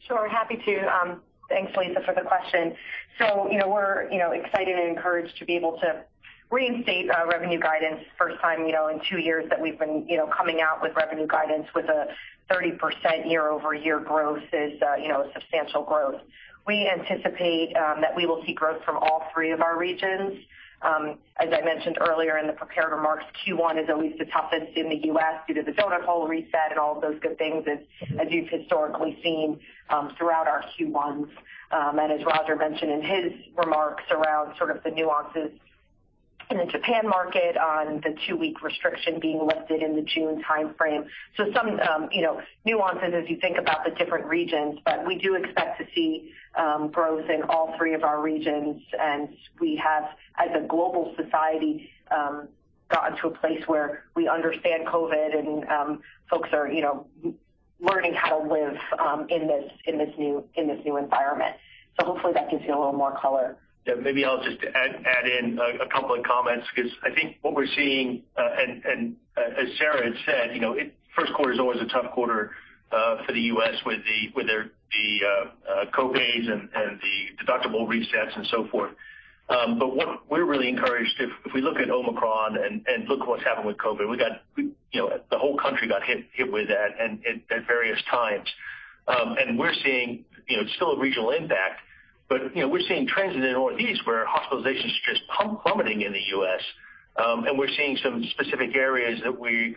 Sure, happy to. Thanks, Lisa, for the question. You know, we're, you know, excited and encouraged to be able to reinstate revenue guidance. First time, you know, in two years that we've been, you know, coming out with revenue guidance with a 30% year-over-year growth is, you know, substantial growth. We anticipate that we will see growth from all three of our regions. As I mentioned earlier in the prepared remarks, Q1 is always the toughest in the U.S. due to the donut hole reset and all of those good things as you've historically seen throughout our Q1s. As Roger mentioned in his remarks around sort of the nuances in the Japan market on the two-week restriction being lifted in the June timeframe. Some, you know, nuances as you think about the different regions. We do expect to see growth in all three of our regions. We have, as a global society, gotten to a place where we understand COVID and folks are, you know, learning how to live in this new environment. Hopefully that gives you a little more color. Yeah, maybe I'll just add in a couple of comments because I think what we're seeing, as Sara had said, you know, first quarter is always a tough quarter for the U.S. with their co-pays and the deductible resets and so forth. But what we're really encouraged if we look at Omicron and look at what's happened with COVID, you know, the whole country got hit with that and at various times. We're seeing, you know, still a regional impact, but, you know, we're seeing trends in the Northeast where hospitalizations are just plummeting in the U.S. We're seeing some specific areas where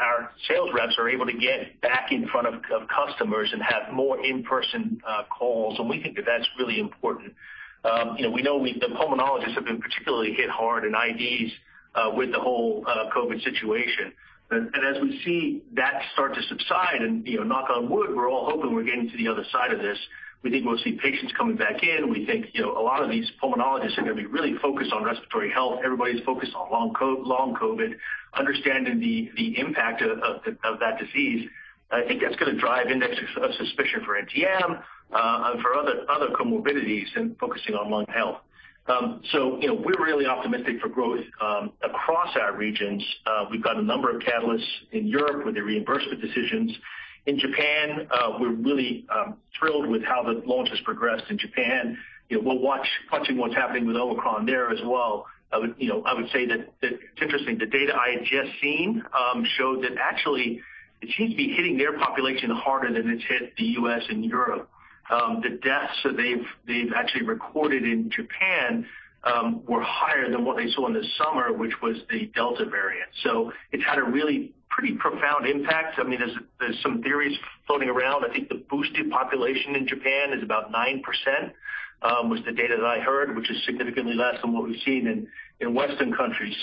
our sales reps are able to get back in front of customers and have more in-person calls. We think that's really important. You know, we know the pulmonologists have been particularly hit hard in IDs with the whole COVID situation. As we see that start to subside and, you know, knock on wood, we're all hoping we're getting to the other side of this, we think we'll see patients coming back in. We think, you know, a lot of these pulmonologists are going to be really focused on respiratory health. Everybody's focused on long COVID, understanding the impact of that disease. I think that's going to drive index of suspicion for NTM and for other comorbidities and focusing on lung health. You know, we're really optimistic for growth across our regions. We've got a number of catalysts in Europe with the reimbursement decisions. In Japan, we're really thrilled with how the launch has progressed in Japan. You know, we're watching what's happening with Omicron there as well. I would say that it's interesting, the data I had just seen showed that actually it seems to be hitting their population harder than it's hit the U.S. and Europe. The deaths that they've actually recorded in Japan were higher than what they saw in the summer, which was the Delta variant. It's had a really pretty profound impact. I mean, there's some theories floating around. I think the boosted population in Japan is about 9%, was the data that I heard, which is significantly less than what we've seen in Western countries.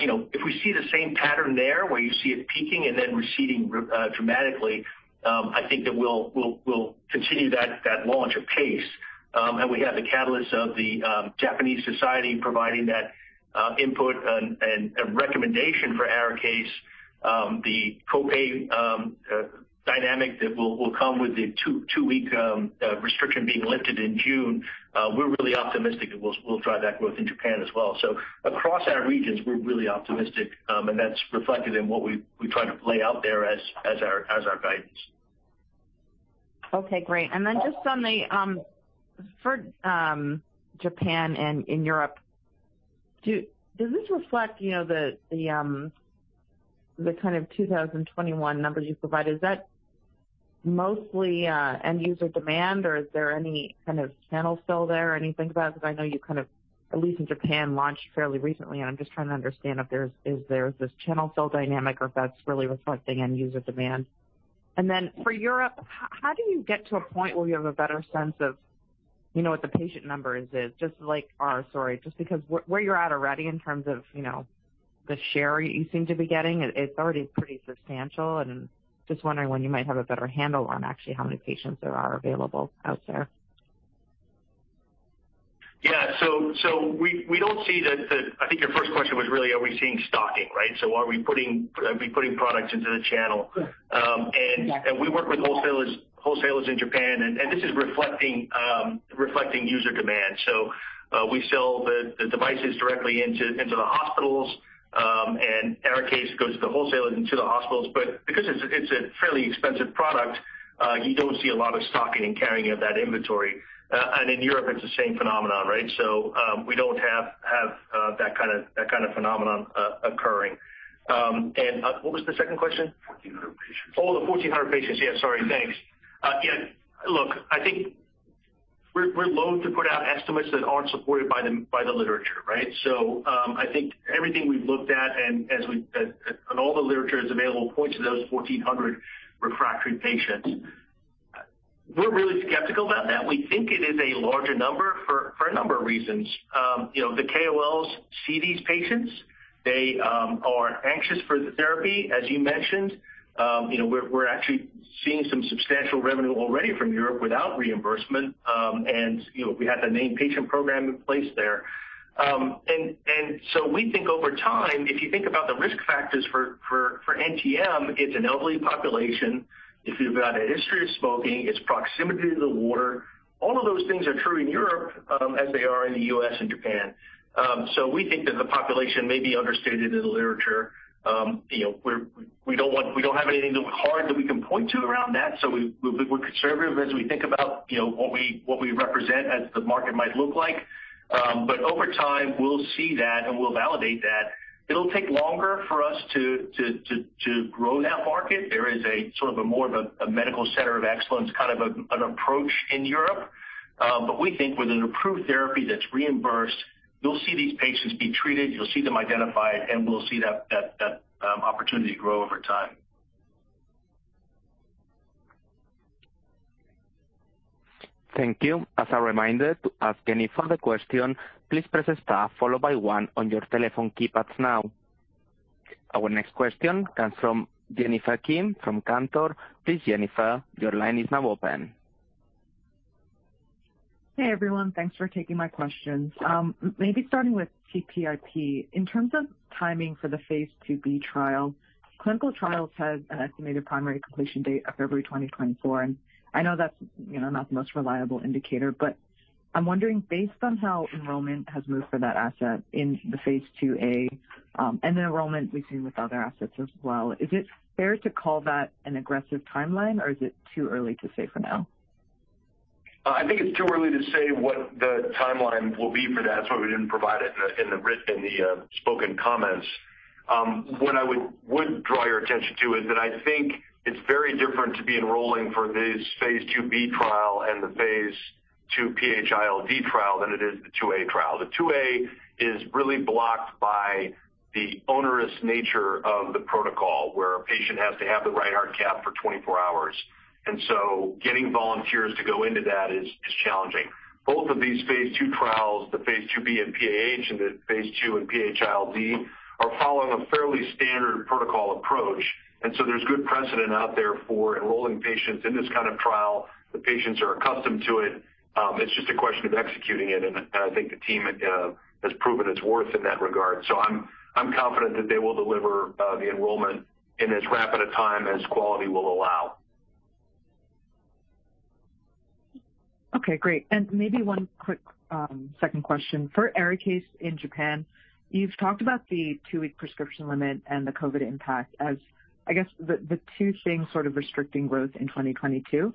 You know, if we see the same pattern there where you see it peaking and then receding dramatically, I think that we'll continue that launch or pace. We have the catalyst of the Japanese society providing that input and recommendation for ARIKAYCE. The co-pay dynamic that will come with the two-week restriction being lifted in June, we're really optimistic that we'll drive that growth in Japan as well. Across our regions, we're really optimistic, and that's reflected in what we try to lay out there as our guidance. Okay, great. Then just on Japan and Europe, does this reflect, you know, the kind of 2021 numbers you provided? Is that mostly end user demand, or is there any kind of channel fill there or anything to that? Because I know you kind of, at least in Japan, launched fairly recently, and I'm just trying to understand if there's this channel fill dynamic or if that's really reflecting end user demand. Then for Europe, how do you get to a point where you have a better sense of, you know, what the patient numbers is? Just like our story, just because where you're at already in terms of, you know, the share you seem to be getting, it's already pretty substantial, and just wondering when you might have a better handle on actually how many patients there are available out there? Yeah. We don't see the, I think your first question was really, are we seeing stocking, right? Are we putting products into the channel? Yes. Um, and- Yeah. We work with wholesalers in Japan. This is reflecting user demand. We sell the devices directly into the hospitals, and ARIKAYCE goes to the wholesalers and to the hospitals. Because it's a fairly expensive product, you don't see a lot of stocking and carrying of that inventory. In Europe, it's the same phenomenon, right? We don't have that kind of phenomenon occurring. What was the second question? 1400 patients. Oh, the 1,400 patients. Yeah, sorry. Thanks. Yeah, look, I think we're loath to put out estimates that aren't supported by the literature, right? I think everything we've looked at and all the literature that's available points to those 1,400 refractory patients. We're really skeptical about that. We think it is a larger number for a number of reasons. You know, the KOLs see these patients. They are anxious for the therapy, as you mentioned. You know, we're actually seeing some substantial revenue already from Europe without reimbursement. You know, we have the named patient program in place there. We think over time, if you think about the risk factors for NTM, it's an elderly population. If you've got a history of smoking, it's proximity to the water. All of those things are true in Europe, as they are in the U.S. and Japan. We think that the population may be understated in the literature. You know, we don't have anything hard that we can point to around that, so we're conservative as we think about, you know, what we represent as the market might look like. Over time, we'll see that, and we'll validate that. It'll take longer for us to grow that market. There is sort of more of a medical center of excellence, kind of an approach in Europe. We think with an approved therapy that's reimbursed, you'll see these patients be treated, you'll see them identified, and we'll see that opportunity grow over time. Thank you. As a reminder, to ask any further question, please press star followed by one on your telephone keypads now. Our next question comes from Jennifer Kim from Cantor. Please, Jennifer, your line is now open. Hey, everyone. Thanks for taking my questions. Maybe starting with TPIP. In terms of timing for the phase IIb trial, clinical trials has an estimated primary completion date of February 2024. I know that's, you know, not the most reliable indicator, but I'm wondering, based on how enrollment has moved for that asset in the phase IIa, and the enrollment we've seen with other assets as well, is it fair to call that an aggressive timeline, or is it too early to say for now? I think it's too early to say what the timeline will be for that. That's why we didn't provide it in the spoken comments. What I would draw your attention to is that I think it's very different to be enrolling for this phase IIb trial and the phase II PH-ILD trial than it is the II-A trial. The phase II-A is really blocked by the onerous nature of the protocol, where a patient has to have the right heart cath for 24 hours. Getting volunteers to go into that is challenging. Both of these phase II trials, the phase II-B in PAH and the phase II in PH-ILD, are following a fairly standard protocol approach, and there's good precedent out there for enrolling patients in this kind of trial. The patients are accustomed to it. It's just a question of executing it, and I think the team has proven its worth in that regard. I'm confident that they will deliver the enrollment in as rapid a time as quality will allow. Okay. Great. Maybe one quick second question. For ARIKAYCE in Japan, you've talked about the two-week prescription limit and the COVID impact as, I guess, the two things sort of restricting growth in 2022.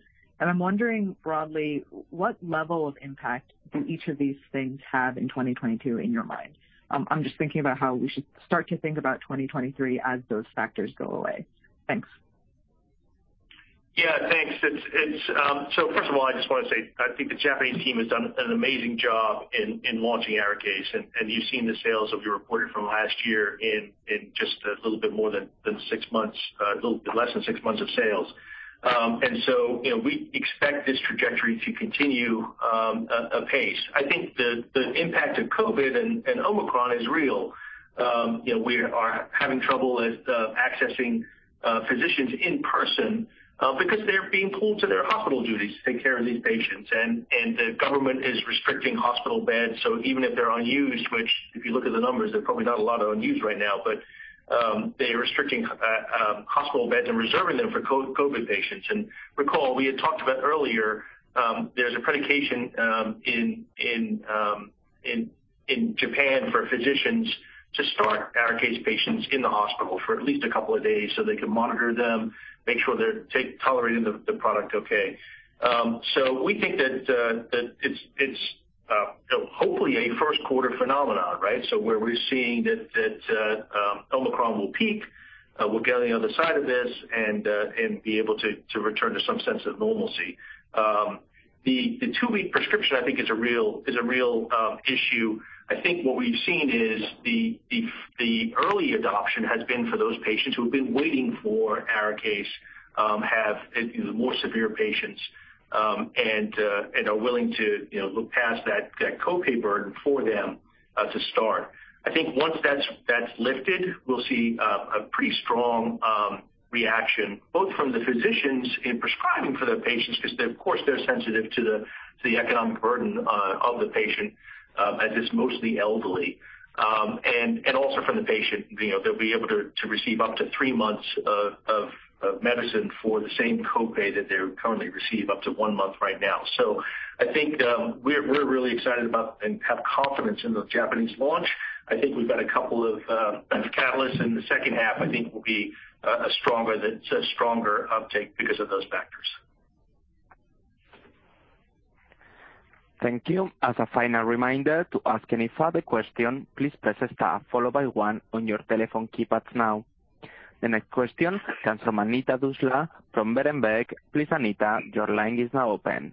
I'm wondering broadly, what level of impact do each of these things have in 2022 in your mind? I'm just thinking about how we should start to think about 2023 as those factors go away. Thanks. Yeah. Thanks. First of all, I just wanna say, I think the Japanese team has done an amazing job in launching ARIKAYCE, and you've seen the sales that we reported from last year in just a little bit more than six months, little less than six months of sales. You know, we expect this trajectory to continue apace. I think the impact of COVID and Omicron is real. You know, we are having trouble with accessing physicians in person because they're being pulled to their hospital duties to take care of these patients. The government is restricting hospital beds, so even if they're unused, which if you look at the numbers, they're probably not a lot of unused right now, but they're restricting hospital beds and reserving them for COVID patients. Recall we had talked about earlier, there's a predilection in Japan for physicians to start ARIKAYCE patients in the hospital for at least a couple of days, so they can monitor them, make sure they're tolerating the product okay. We think that it's hopefully a first quarter phenomenon, right? Where we're seeing that Omicron will peak, we'll get on the other side of this and be able to return to some sense of normalcy. The two-week prescription I think is a real issue. I think what we've seen is the early adoption has been for those patients who have been waiting for ARIKAYCE, the more severe patients, and are willing to, you know, look past that copay burden for them to start. I think once that's lifted, we'll see a pretty strong reaction both from the physicians in prescribing for their patients, 'cause they, of course, they're sensitive to the economic burden of the patient, as it's mostly elderly. Also from the patient, you know, they'll be able to receive up to three months of medicine for the same copay that they currently receive up to one month right now. I think, we're really excited about and have confidence in the Japanese launch. I think we've got a couple of catalysts in the second half I think will be a stronger uptake because of those factors. Thank you. As a final reminder, to ask any further question, please press star followed by one on your telephone keypads now. The next question comes from Anita Dushyanth from Berenberg. Please, Anita, your line is now open.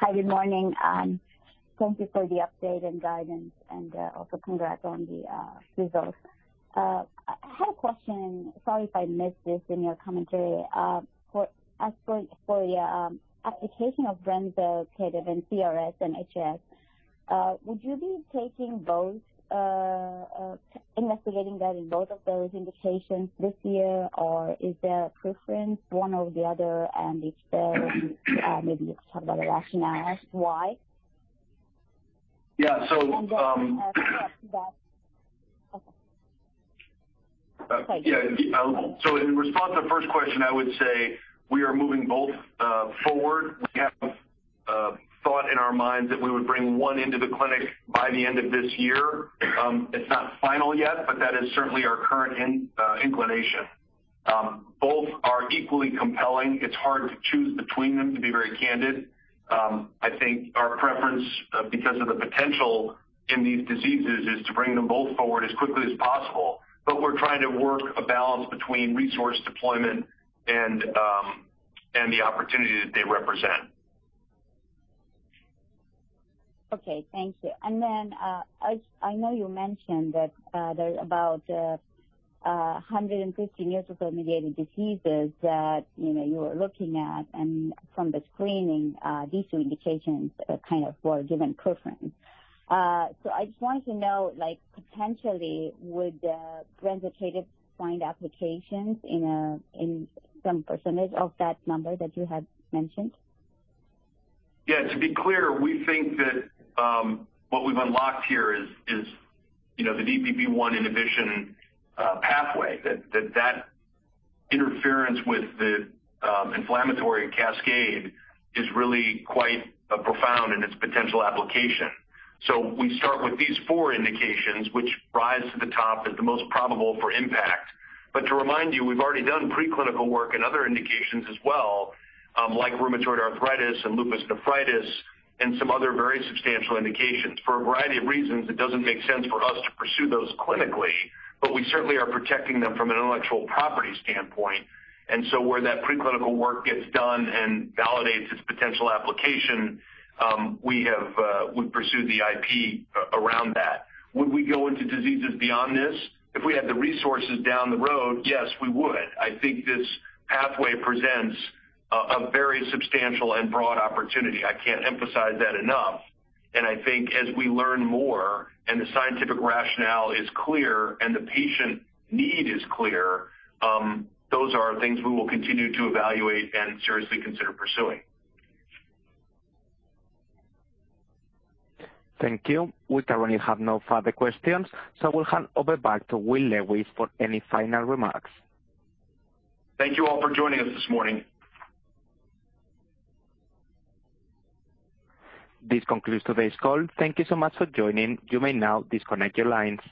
Hi, good morning, and thank you for the update and guidance, and also congrats on the results. I had a question. Sorry if I missed this in your commentary. As for application of brensocatib, and CRS and HS, would you be investigating that in both of those indications this year? Or is there a preference one over the other? If there is, maybe you could talk about the rationale why. Yeah. Plus that. Okay. In response to the first question, I would say we are moving both forward. We have thought in our minds that we would bring one into the clinic by the end of this year. It's not final yet, but that is certainly our current inclination. Both are equally compelling. It's hard to choose between them, to be very candid. I think our preference, because of the potential in these diseases, is to bring them both forward as quickly as possible. We're trying to work a balance between resource deployment and the opportunity that they represent. Okay, thank you. I know you mentioned that there are about 150 neutrophil-mediated diseases that you know you are looking at, and from the screening these two indications are kind of more given preference. I just wanted to know, like, potentially would brensocatib find applications in some percentage of that number that you had mentioned? Yeah. To be clear, we think that what we've unlocked here is, you know, the DPP1 inhibition pathway. That interference with the inflammatory cascade is really quite profound in its potential application. We start with these four indications which rise to the top as the most probable for impact. To remind you, we've already done preclinical work in other indications as well, like rheumatoid arthritis and lupus nephritis and some other very substantial indications. For a variety of reasons, it doesn't make sense for us to pursue those clinically, but we certainly are protecting them from an intellectual property standpoint. Where that preclinical work gets done and validates its potential application, we would pursue the IP around that. Would we go into diseases beyond this? If we had the resources down the road, yes, we would. I think this pathway presents a very substantial and broad opportunity. I can't emphasize that enough. I think as we learn more and the scientific rationale is clear and the patient need is clear, those are things we will continue to evaluate and seriously consider pursuing. Thank you. We currently have no further questions, so we'll hand over back to Will Lewis for any final remarks. Thank you all for joining us this morning. This concludes today's call. Thank you so much for joining. You may now disconnect your lines.